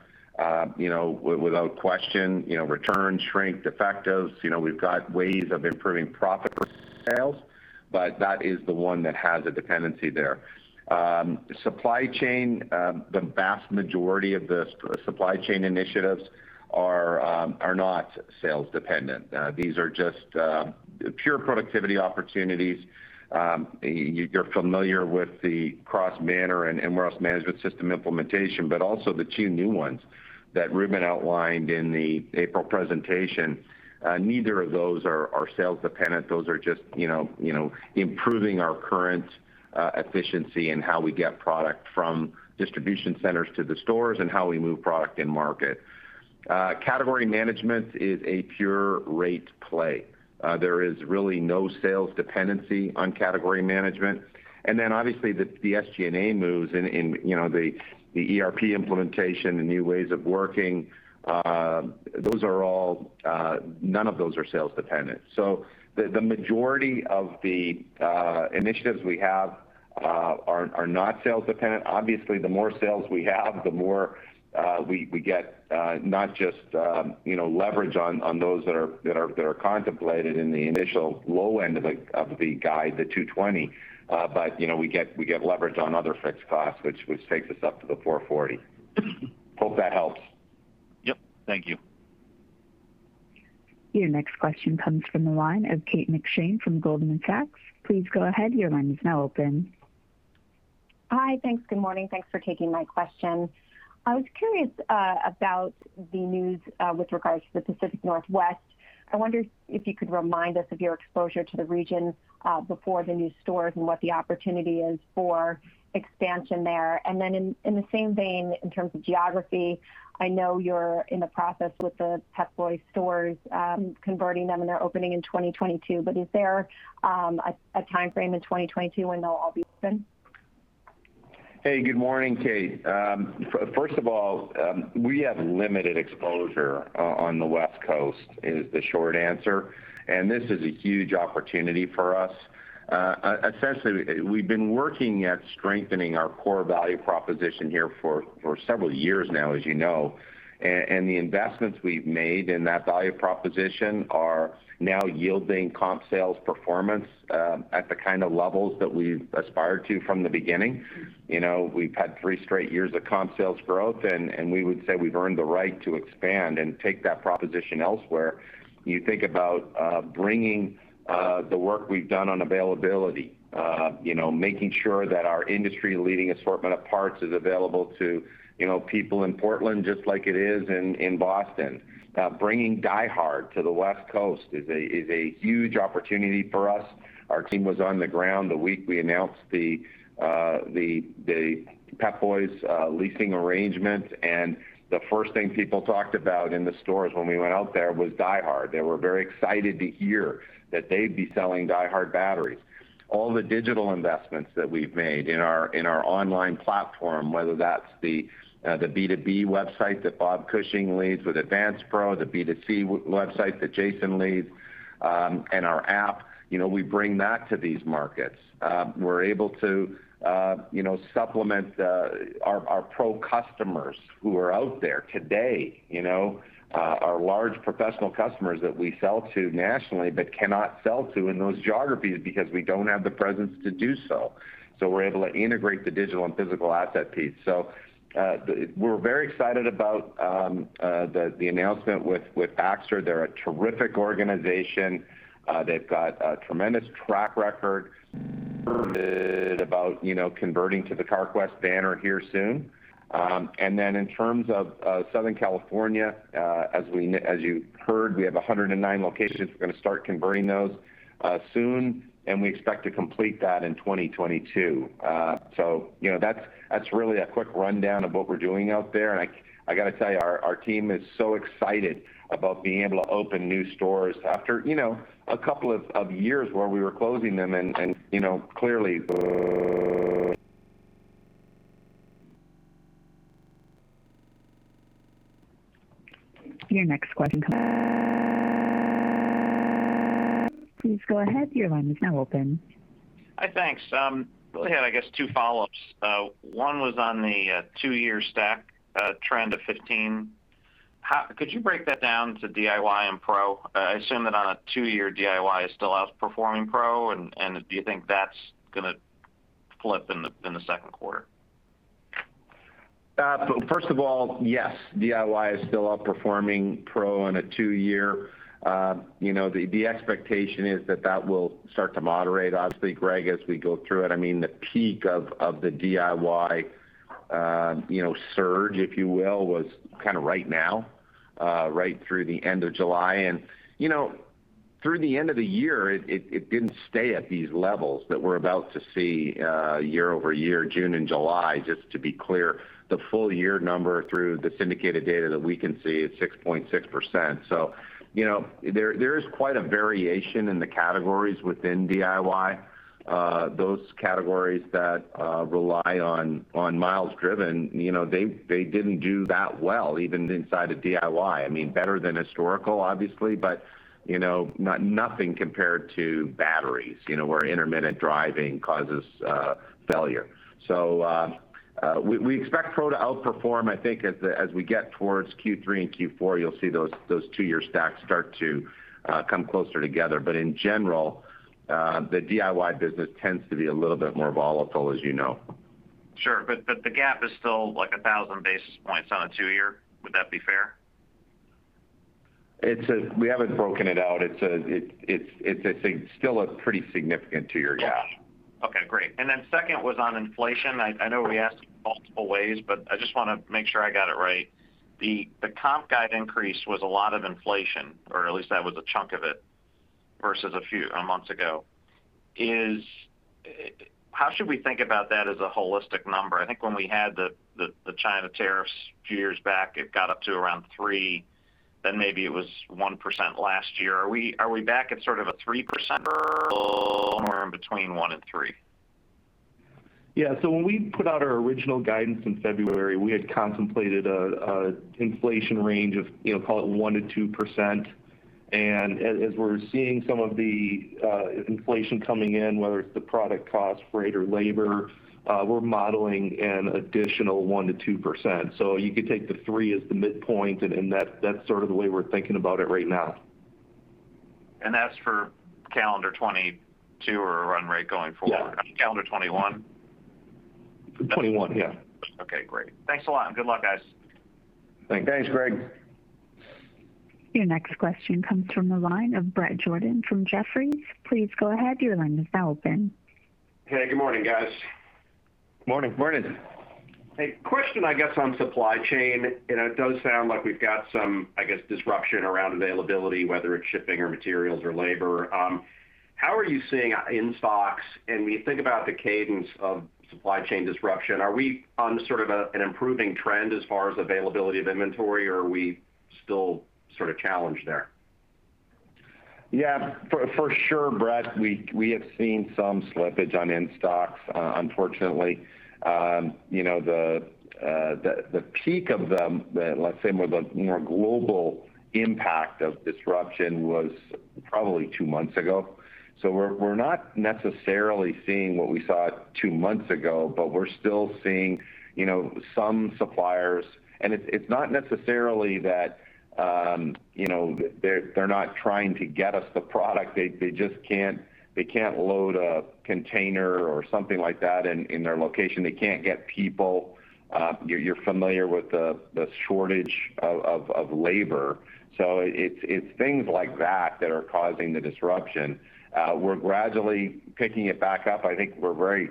without question. Return, shrink, defectives. We've got ways of improving profit per sales. That is the one that has a dependency there. Supply chain, the vast majority of the supply chain initiatives are not sales dependent. These are just pure productivity opportunities. You're familiar with the cross-banner and warehouse management system implementation, but also the two new ones that Ruben outlined in the April presentation. Neither of those are sales dependent. Those are just improving our current efficiency and how we get product from distribution centers to the stores and how we move product in market. Category management is a pure rate play. There is really no sales dependency on category management. Obviously the SG&A moves in the ERP implementation, the new ways of working, none of those are sales dependent. The majority of the initiatives we have are not sales dependent. Obviously, the more sales we have, the more we get not just leverage on those that are contemplated in the initial low end of the guide, the 220, but we get leverage on other fixed costs, which takes us up to the 440. Hope that helps. Yep. Thank you. Your next question comes from the line of Kate McShane from Goldman Sachs. Please go ahead. Your line is now open. Hi. Thanks. Good morning. Thanks for taking my question. I was curious about the news with regards to the Pacific Northwest. I wonder if you could remind us of your exposure to the region before the new stores and what the opportunity is for expansion there. Then in the same vein, in terms of geography, I know you're in the process with the Pep Boys stores, converting them, and they're opening in 2022, but is there a timeframe in 2022 when they'll all be open? Hey, good morning, Kate. First of all, we have limited exposure on the West Coast, is the short answer. This is a huge opportunity for us. Essentially, we've been working at strengthening our core value proposition here for several years now, as you know. The investments we've made in that value proposition are now yielding comp sales performance at the kind of levels that we've aspired to from the beginning. We've had three straight years of comp sales growth, we would say we've earned the right to expand and take that proposition elsewhere. When you think about bringing the work we've done on availability, making sure that our industry-leading assortment of parts is available to people in Portland just like it is in Boston. Bringing DieHard to the West Coast is a huge opportunity for us. Our team was on the ground the week we announced the Pep Boys leasing arrangement, and the first thing people talked about in the stores when we went out there was DieHard. All the digital investments that we've made in our online platform, whether that's the B2B website that Bob Cushing leads with Advance Pro, the B2C website that Jason leads, and our app, we bring that to these markets. We're able to supplement our pro customers who are out there today. Our large professional customers that we sell to nationally but cannot sell to in those geographies because we don't have the presence to do so. We're able to integrate the digital and physical asset piece. We're very excited about the announcement with [Axford]. They're a terrific organization. They've got a tremendous track record about converting to the Carquest banner here soon. In terms of Southern California, as you heard, we have 109 locations. We're going to start converting those soon, and we expect to complete that in 2022. That's really a quick rundown of what we're doing out there, and I got to tell you, our team is so excited about being able to open new stores after a couple of years where we were closing them. Your next question Please go ahead. Your line is now open. Hi. Thanks. Really had, I guess, two follow-ups. One was on the two-year stack trend of 15. Could you break that down to DIY and pro? I assume that on a two-year, DIY is still outperforming pro, and do you think that's going to flip in the second quarter? First of all, yes, DIY is still outperforming pro on a two-year. The expectation is that that will start to moderate, obviously, Greg, as we go through it. The peak of the DIY surge, if you will, was kind of right now, right through the end of July. Through the end of the year, it didn't stay at these levels that we're about to see year-over-year, June and July. Just to be clear, the full year number through the syndicated data that we can see is 6.6%. There is quite a variation in the categories within DIY. Those categories that rely on miles driven, they didn't do that well, even inside of DIY. Better than historical, obviously, but nothing compared to batteries, where intermittent driving causes failure. We expect pro to outperform, I think, as we get towards Q3 and Q4. You'll see those two-year stacks start to come closer together. In general, the DIY business tends to be a little bit more volatile, as you know. Sure. The gap is still like 1,000 basis points on a two-year. Would that be fair? We haven't broken it out. It's still a pretty significant two-year gap. Yeah. Okay, great. Second was on inflation. I know we asked multiple ways, but I just want to make sure I got it right. The comp guide increase was a lot of inflation, or at least that was a chunk of it, versus a few months ago. How should we think about that as a holistic number? I think when we had the China tariffs a few years back, it got up to around 3%, then maybe it was 1% last year. Are we back at sort of a 3% or somewhere in between 1% and 3%? Yeah. When we put out our original guidance in February, we had contemplated an inflation range of, call it 1%-2%. As we're seeing some of the inflation coming in, whether it's the product cost, rate, or labor, we're modeling an additional 1%-2%. You could take the three as the midpoint, and that's sort of the way we're thinking about it right now. That's for calendar 2022 or run rate going forward? Yeah. Calendar 2021? 2021, yeah. Okay, great. Thanks a lot. Good luck, guys. Thanks, Greg. Your next question comes from the line of Bret Jordan from Jefferies. Please go ahead, your line is now open. Hey, good morning, guys. Morning, Bret. A question, I guess, on supply chain. It does sound like we've got some, I guess, disruption around availability, whether it's shipping or materials or labor. How are you seeing in-stocks? When you think about the cadence of supply chain disruption, are we on sort of an improving trend as far as availability of inventory, or are we still sort of challenged there? For sure, Bret, we have seen some slippage on in-stocks, unfortunately. The peak of them, let's say more the global impact of disruption, was probably two months ago. We're not necessarily seeing what we saw two months ago, but we're still seeing some suppliers. It's not necessarily that they're not trying to get us the product. They can't load a container or something like that in their location. They can't get people. You're familiar with the shortage of labor. It's things like that that are causing the disruption. We're gradually picking it back up. I think we're very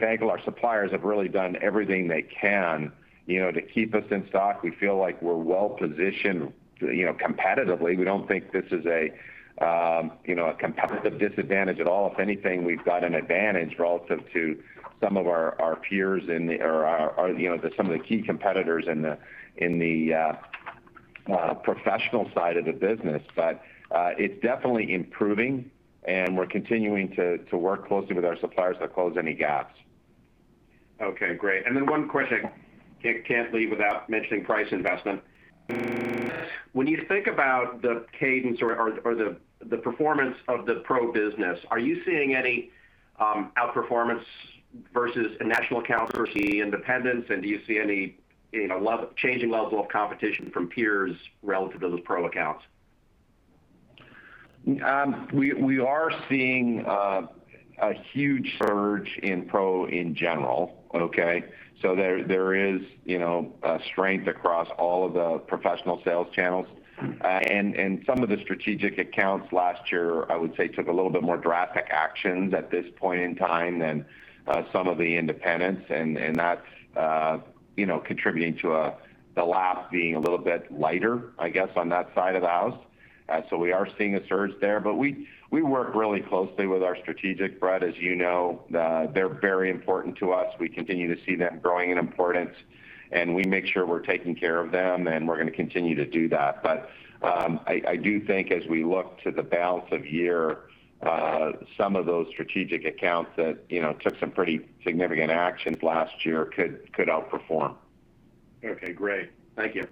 thankful our suppliers have really done everything they can to keep us in stock. We feel like we're well positioned competitively. We don't think this is a competitive disadvantage at all. If anything, we've got an advantage relative to some of our peers or some of the key competitors in the professional side of the business. It's definitely improving, and we're continuing to work closely with our suppliers to close any gaps. Okay, great. Then one question. Can't leave without mentioning price investment. When you think about the cadence or the performance of the pro business, are you seeing any outperformance versus a national account versus the independents? Do you see any changing level of competition from peers relative to those pro accounts? We are seeing a huge surge in pro in general. Okay? There is a strength across all of the professional sales channels. Some of the strategic accounts last year, I would say, took a little bit more drastic actions at this point in time than some of the independents. That's contributing to the lap being a little bit lighter, I guess, on that side of the house. We are seeing a surge there. We work really closely with our strategic, Bret, as you know. They're very important to us. We continue to see them growing in importance, and we make sure we're taking care of them, and we're going to continue to do that. I do think as we look to the balance of year, some of those strategic accounts that took some pretty significant actions last year could outperform. Okay, great. Thank you.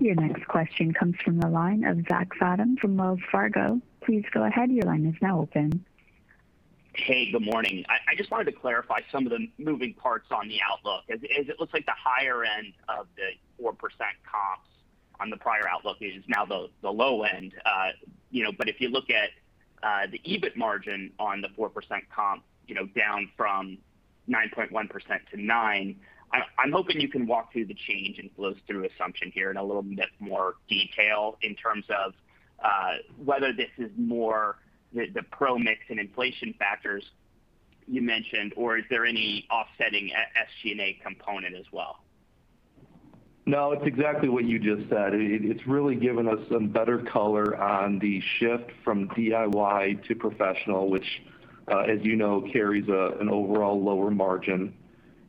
Your next question comes from the line of Zach Fadem from Wells Fargo. Hey, good morning. I just wanted to clarify some of the moving parts on the outlook. It looks like the higher end of the 4% comps on the prior outlook is now the low end. If you look at the EBIT margin on the 4% comp, down from 9.1%-9%, I'm hoping you can walk through the change in gross through assumption here in a little bit more detail in terms of whether this is more the pro mix and inflation factors you mentioned, or is there any offsetting SG&A component as well? No, it's exactly what you just said. It's really given us some better color on the shift from DIY to professional, which, as you know, carries an overall lower margin.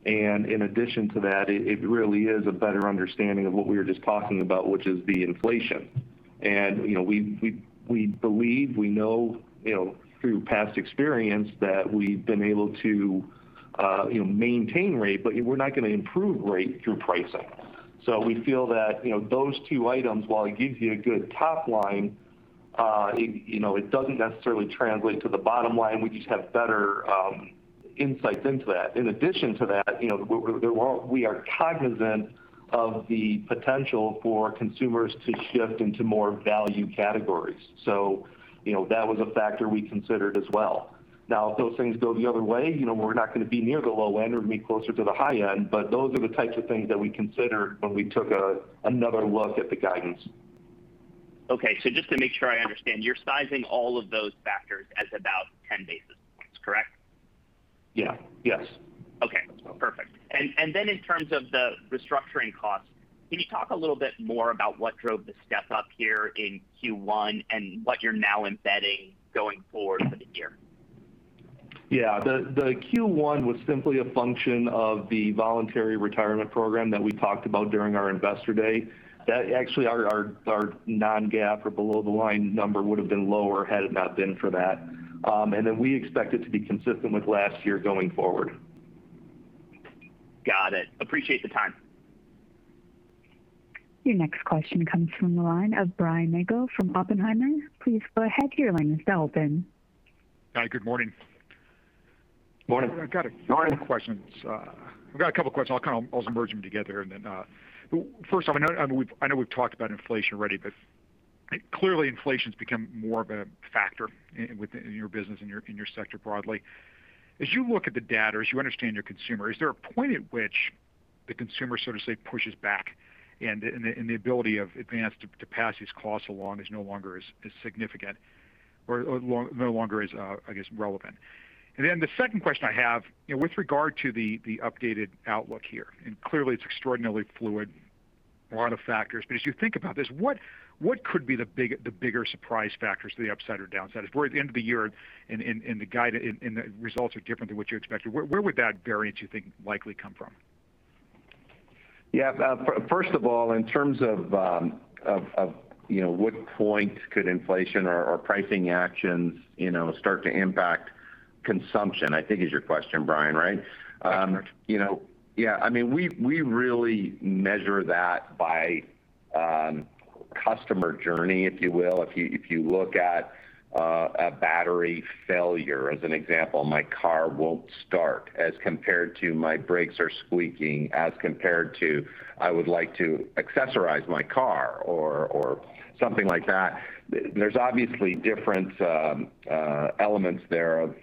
In addition to that, it really is a better understanding of what we were just talking about, which is the inflation. We believe, we know through past experience, that we've been able to maintain rate, but we're not going to improve rate through pricing. We feel that those two items, while it gives you a good top line, it doesn't necessarily translate to the bottom line. We just have better insights into that. In addition to that, we are cognizant of the potential for consumers to shift into more value categories. That was a factor we considered as well. If those things go the other way, we're not going to be near the low end, we're going to be closer to the high end. Those are the types of things that we considered when we took another look at the guidance. Okay. Just to make sure I understand, you're sizing all of those factors as about 10 basis points, correct? Yeah. Yes. Okay, perfect. In terms of the restructuring costs, can you talk a little bit more about what drove the step-up here in Q1 and what you're now embedding going forward for the year? Yeah. The Q1 was simply a function of the voluntary retirement program that we talked about during our investor day. Actually, our non-GAAP or below-the-line number would've been lower had it not been for that. We expect it to be consistent with last year going forward. Got it. Appreciate the time. Your next question comes from the line of Brian Nagel from Oppenheimer. Please go ahead. Your line is now open. Hi. Good morning. Morning. I've got a couple questions. I'll just merge them together. First off, I know we've talked about inflation already, but clearly inflation's become more of a factor within your business, in your sector broadly. As you look at the data, as you understand your consumer, is there a point at which the consumer, so to say, pushes back and the ability of Advance to pass these costs along is no longer as significant or no longer is, I guess, relevant? The second question I have, with regard to the updated outlook here, and clearly it's extraordinarily fluid, a lot of factors, but as you think about this, what could be the bigger surprise factors to the upside or downside? If we're at the end of the year and the results are different than what you expected, where would that variance, you think, likely come from? Yeah. First of all, in terms of what point could inflation or pricing actions start to impact consumption, I think is your question, Brian, right? That's right. Yeah. We really measure that by customer journey, if you will. If you look at a battery failure, as an example, my car won't start, as compared to my brakes are squeaking, as compared to I would like to accessorize my car or something like that. There's obviously different elements there of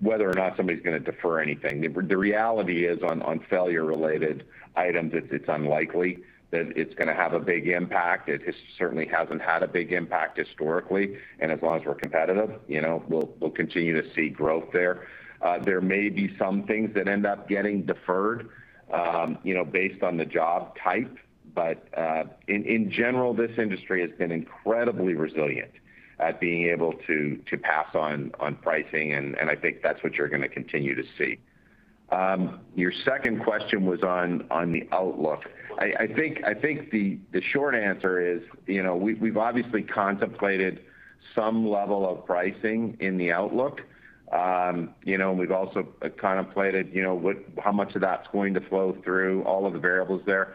whether or not somebody's going to defer anything. The reality is on failure-related items, it's unlikely that it's going to have a big impact. It certainly hasn't had a big impact historically, and as long as we're competitive, we'll continue to see growth there. There may be some things that end up getting deferred based on the job type. In general, this industry has been incredibly resilient at being able to pass on pricing, and I think that's what you're going to continue to see. Your second question was on the outlook. I think the short answer is we've obviously contemplated some level of pricing in the outlook. We've also contemplated how much of that's going to flow through all of the variables there.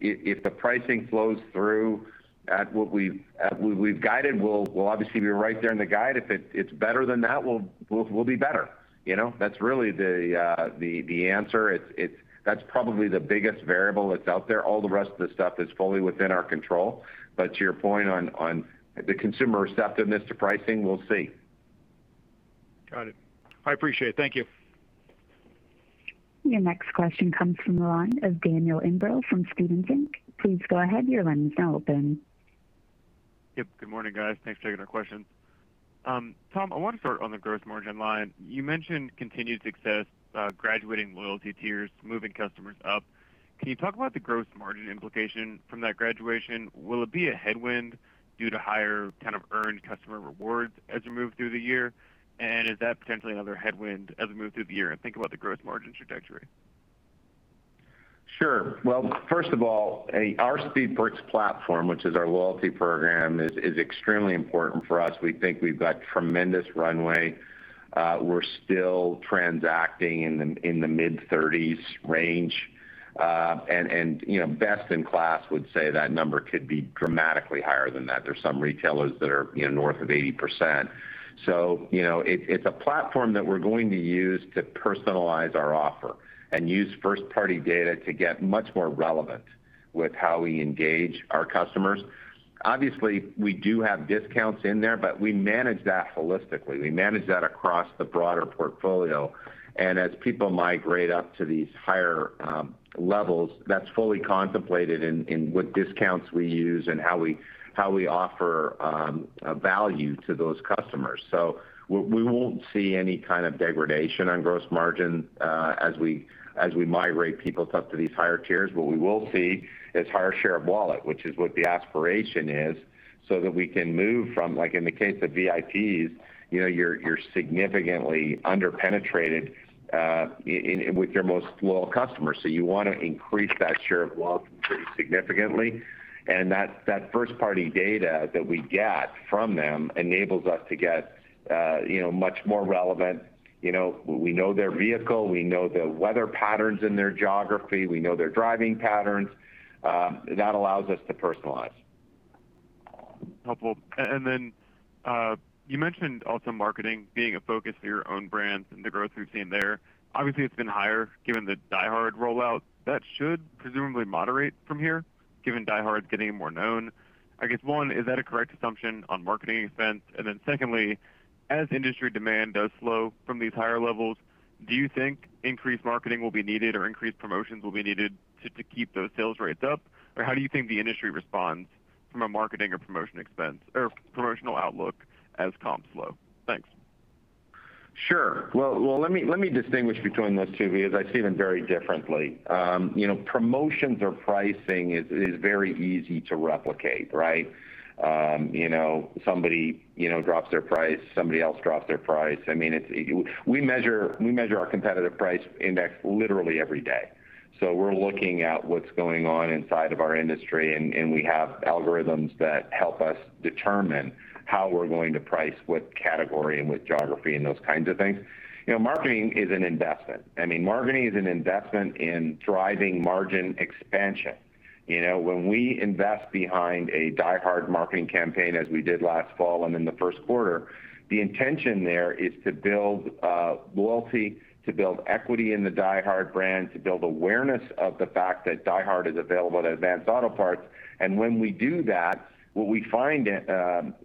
If the pricing flows through at what we've guided, we'll obviously be right there in the guide. If it's better than that, we'll be better. That's really the answer. That's probably the biggest variable that's out there. All the rest of the stuff is fully within our control. To your point on the consumer's acceptance to pricing, we'll see. Got it. I appreciate it. Thank you. Your next question comes from the line of Daniel Imbro from Stephens Inc. Please go ahead. Your line is now open. Yep. Good morning, guys. Thanks for taking the questions. Tom, I want to start on the gross margin line. You mentioned continued success, graduating loyalty tiers, moving customers up. Can you talk about the gross margin implication from that graduation? Will it be a headwind due to higher kind of earned customer rewards as we move through the year? Is that potentially another headwind as we move through the year and think about the gross margin trajectory? Sure. Well, first of all, our Speed Perks platform, which is our loyalty program, is extremely important for us. We think we've got tremendous runway. We're still transacting in the mid-30s range. Best in class would say that number could be dramatically higher than that. There are some retailers that are north of 80%. It's a platform that we're going to use to personalize our offer and use first-party data to get much more relevant with how we engage our customers. Obviously, we do have discounts in there, but we manage that holistically. We manage that across the broader portfolio. As people migrate up to these higher levels, that's fully contemplated in what discounts we use and how we offer value to those customers. We won't see any kind of degradation on gross margin as we migrate people up to these higher tiers. What we will see is higher share of wallet, which is what the aspiration is, so that we can move from, like in the case of VIPs, you're significantly under-penetrated with your most loyal customers. You want to increase that share of wallet pretty significantly. That first-party data that we get from them enables us to get much more relevant. We know their vehicle. We know the weather patterns in their geography. We know their driving patterns. That allows us to personalize. Helpful. You mentioned also marketing being a focus for your own brands and the growth we've seen there. Obviously, it's been higher given the DieHard rollout. That should presumably moderate from here, given DieHard's getting more known. I guess one, is that a correct assumption on marketing expense? Secondly, as industry demand does slow from these higher levels, do you think increased marketing will be needed or increased promotions will be needed just to keep those sales rates up? How do you think the industry responds from a marketing or promotional outlook as comps slow? Thanks. Sure. Well, let me distinguish between those two because I see them very differently. Promotions or pricing is very easy to replicate, right? Somebody drops their price, somebody else drops their price. We measure our competitive price index literally every day. We're looking at what's going on inside of our industry, and we have algorithms that help us determine how we're going to price what category and with geography and those kinds of things. Marketing is an investment. Marketing is an investment in driving margin expansion. When we invest behind a DieHard marketing campaign, as we did last fall and in the first quarter, the intention there is to build loyalty, to build equity in the DieHard brand, to build awareness of the fact that DieHard is available at Advance Auto Parts. When we do that, what we find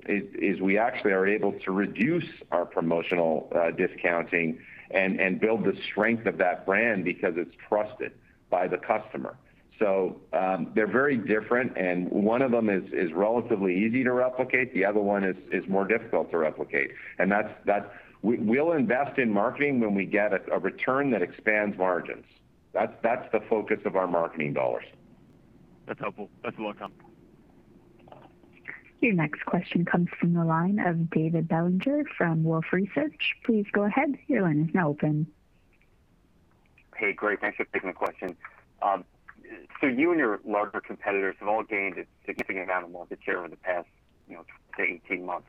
is we actually are able to reduce our promotional discounting and build the strength of that brand because it's trusted by the customer. They're very different, and one of them is relatively easy to replicate. The other one is more difficult to replicate. We'll invest in marketing when we get a return that expands margins. That's the focus of our marketing dollars. That's helpful. That's all I have. Your next question comes from the line of David Bellinger from Wolfe Research. Please go ahead. Hey, great. Thanks for taking the question. You and your larger competitors have all gained a significant amount of market share over the past, say, 18 months.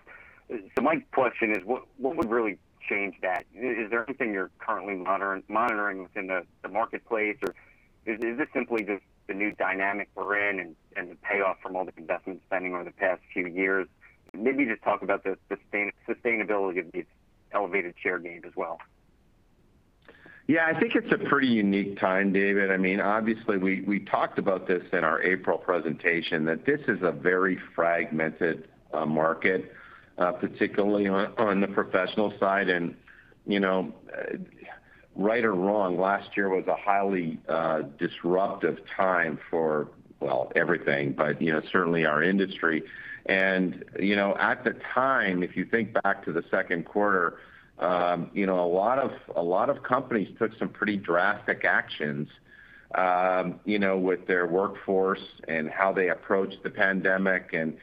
My question is, what would really change that? Is there anything you're currently monitoring within the marketplace, or is this simply just the new dynamic we're in and the payoff from all the investment spending over the past few years? Maybe just talk about the sustainability of these elevated share gains as well. Yeah. I think it's a pretty unique time, David. Obviously, we talked about this in our April presentation, that this is a very fragmented market, particularly on the professional side. Right or wrong, last year was a highly disruptive time for, well, everything, but certainly our industry. At the time, if you think back to the second quarter, a lot of companies took some pretty drastic actions with their workforce and how they approached the pandemic, and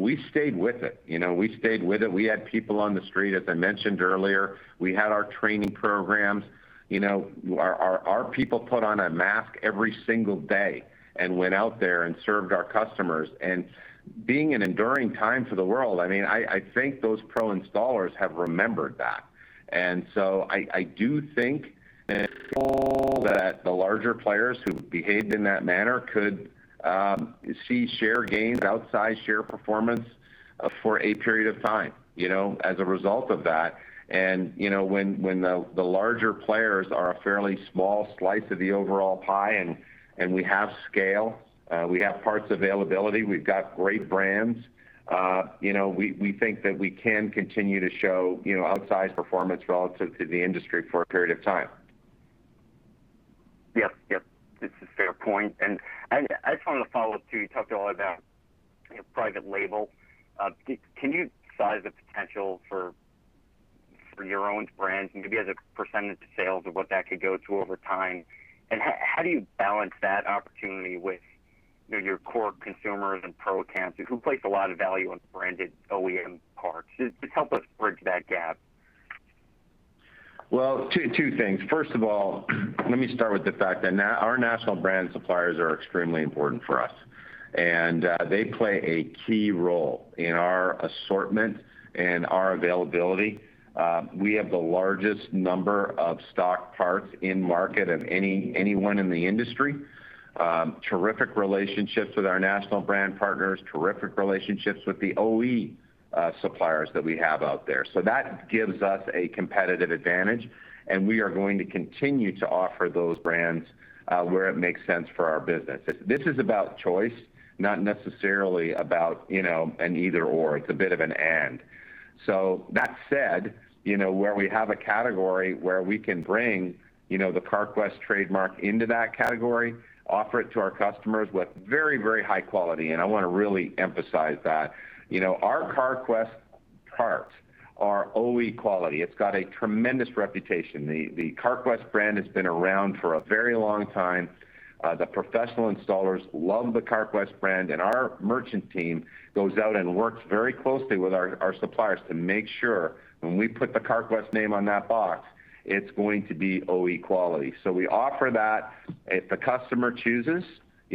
we stayed with it. We stayed with it. We had people on the street, as I mentioned earlier. We had our training programs. Our people put on a mask every single day and went out there and served our customers. Being an enduring time for the world, I think those pro installers have remembered that. I do think that the larger players who behaved in that manner could see share gains, outsized share performance for a period of time as a result of that. When the larger players are a fairly small slice of the overall pie, and we have scale, we have parts availability, we've got great brands, we think that we can continue to show outsized performance relative to the industry for a period of time. Yes. It's a fair point. I just wanted to follow up, too. You talked a lot about private label. Can you size the potential for your own brands and maybe as a percent of sales of what that could go to over time? How do you balance that opportunity with your core consumers and pro accounts who place a lot of value on branded OEM parts? Just help us bridge that gap. Two things. First of all, let me start with the fact that our national brand suppliers are extremely important for us, and they play a key role in our assortment and our availability. We have the largest number of stock parts in market of anyone in the industry. Terrific relationships with our national brand partners, terrific relationships with the OE suppliers that we have out there. That gives us a competitive advantage, and we are going to continue to offer those brands where it makes sense for our business. This is about choice, not necessarily about an either/or. It's a bit of an and. That said, where we have a category where we can bring the Carquest trademark into that category, offer it to our customers with very high quality, and I want to really emphasize that. Our Carquest parts are OE quality. It's got a tremendous reputation. The Carquest brand has been around for a very long time. The professional installers love the Carquest brand, and our merchant team goes out and works very closely with our suppliers to make sure when we put the Carquest name on that box, it's going to be OE quality. We offer that. If the customer chooses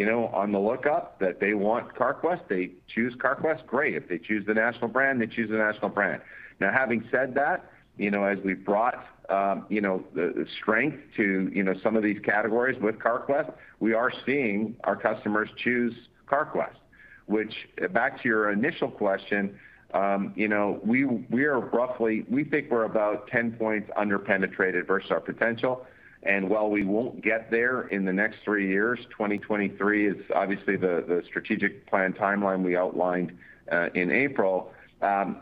on the lookup that they want Carquest, they choose Carquest, great. If they choose the national brand, they choose the national brand. Having said that, as we've brought strength to some of these categories with Carquest, we are seeing our customers choose Carquest. Which, back to your initial question, we think we're about 10 points under-penetrated versus our potential. While we won't get there in the next three years, 2023 is obviously the strategic plan timeline we outlined in April,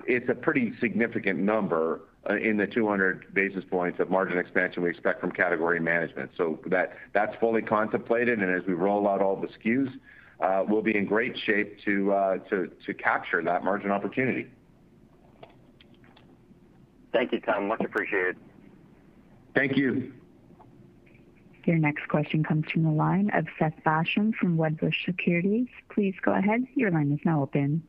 it's a pretty significant number in the 200 basis points of margin expansion we expect from category management. That's fully contemplated, and as we roll out all the SKUs, we'll be in great shape to capture that margin opportunity. Thank you, Tom. Much appreciated. Thank you. Your next question comes from the line of Seth Basham from Wedbush Securities. Please go ahead. Your line is now open.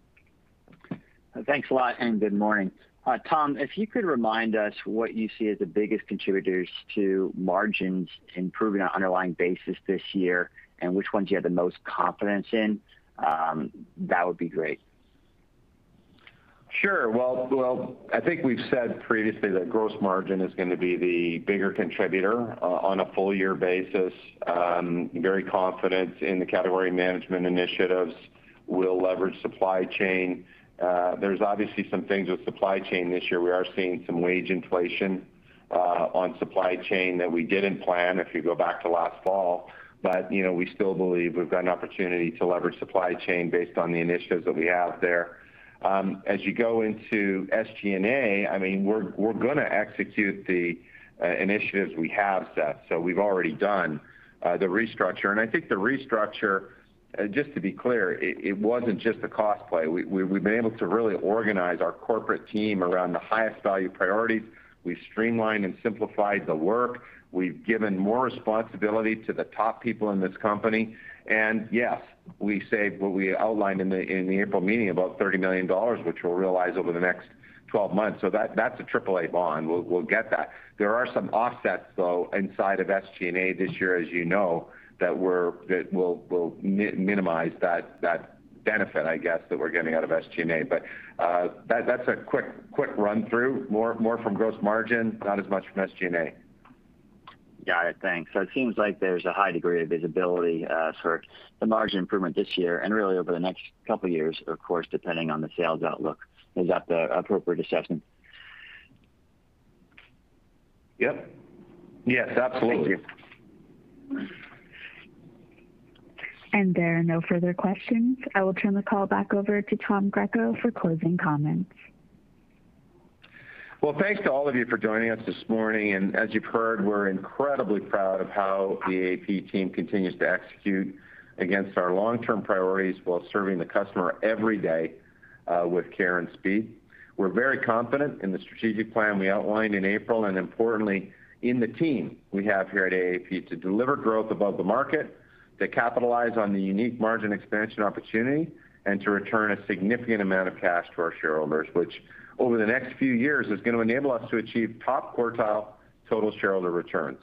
Thanks a lot, and good morning. Tom, if you could remind us what you see as the biggest contributors to margins improving on an underlying basis this year, and which ones you have the most confidence in, that would be great. Sure. I think we've said previously that gross margin is going to be the bigger contributor on a full year basis. Very confident in the category management initiatives. We'll leverage supply chain. There's obviously some things with supply chain this year. We are seeing some wage inflation on supply chain that we didn't plan, if you go back to last fall. We still believe we've got an opportunity to leverage supply chain based on the initiatives that we have there. You go into SG&A, we're going to execute the initiatives we have, Seth. We've already done the restructure. I think the restructure, just to be clear, it wasn't just a cost play. We've been able to really organize our corporate team around the highest value priorities. We've streamlined and simplified the work. We've given more responsibility to the top people in this company. Yes, we saved what we outlined in the April meeting, about $30 million, which we'll realize over the next 12 months. That's a AAA bond. We'll get that. There are some offsets, though, inside of SG&A this year, as you know, that will minimize that benefit, I guess, that we're getting out of SG&A. That's a quick run through. More from gross margin, not as much from SG&A. Got it. Thanks. It seems like there's a high degree of visibility for the margin improvement this year, and really over the next couple of years, of course, depending on the sales outlook. Is that the appropriate assessment? Yep. Yes, absolutely. Thank you. There are no further questions. I will turn the call back over to Tom Greco for closing comments. Well, thanks to all of you for joining us this morning. As you've heard, we're incredibly proud of how the AAP team continues to execute against our long-term priorities while serving the customer every day with care and speed. We're very confident in the strategic plan we outlined in April and importantly, in the team we have here at AAP to deliver growth above the market, to capitalize on the unique margin expansion opportunity, and to return a significant amount of cash to our shareholders, which over the next few years is going to enable us to achieve top quartile total shareholder returns.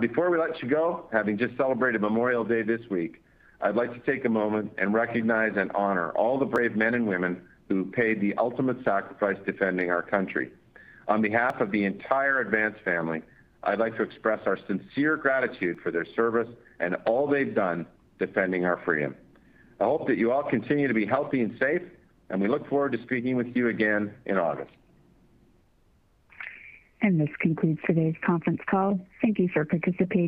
Before we let you go, having just celebrated Memorial Day this week, I'd like to take a moment and recognize and honor all the brave men and women who have paid the ultimate sacrifice defending our country. On behalf of the entire Advance family, I'd like to express our sincere gratitude for their service and all they've done defending our freedom. I hope that you all continue to be healthy and safe, and we look forward to speaking with you again in August. This concludes today's conference call. Thank you for participating.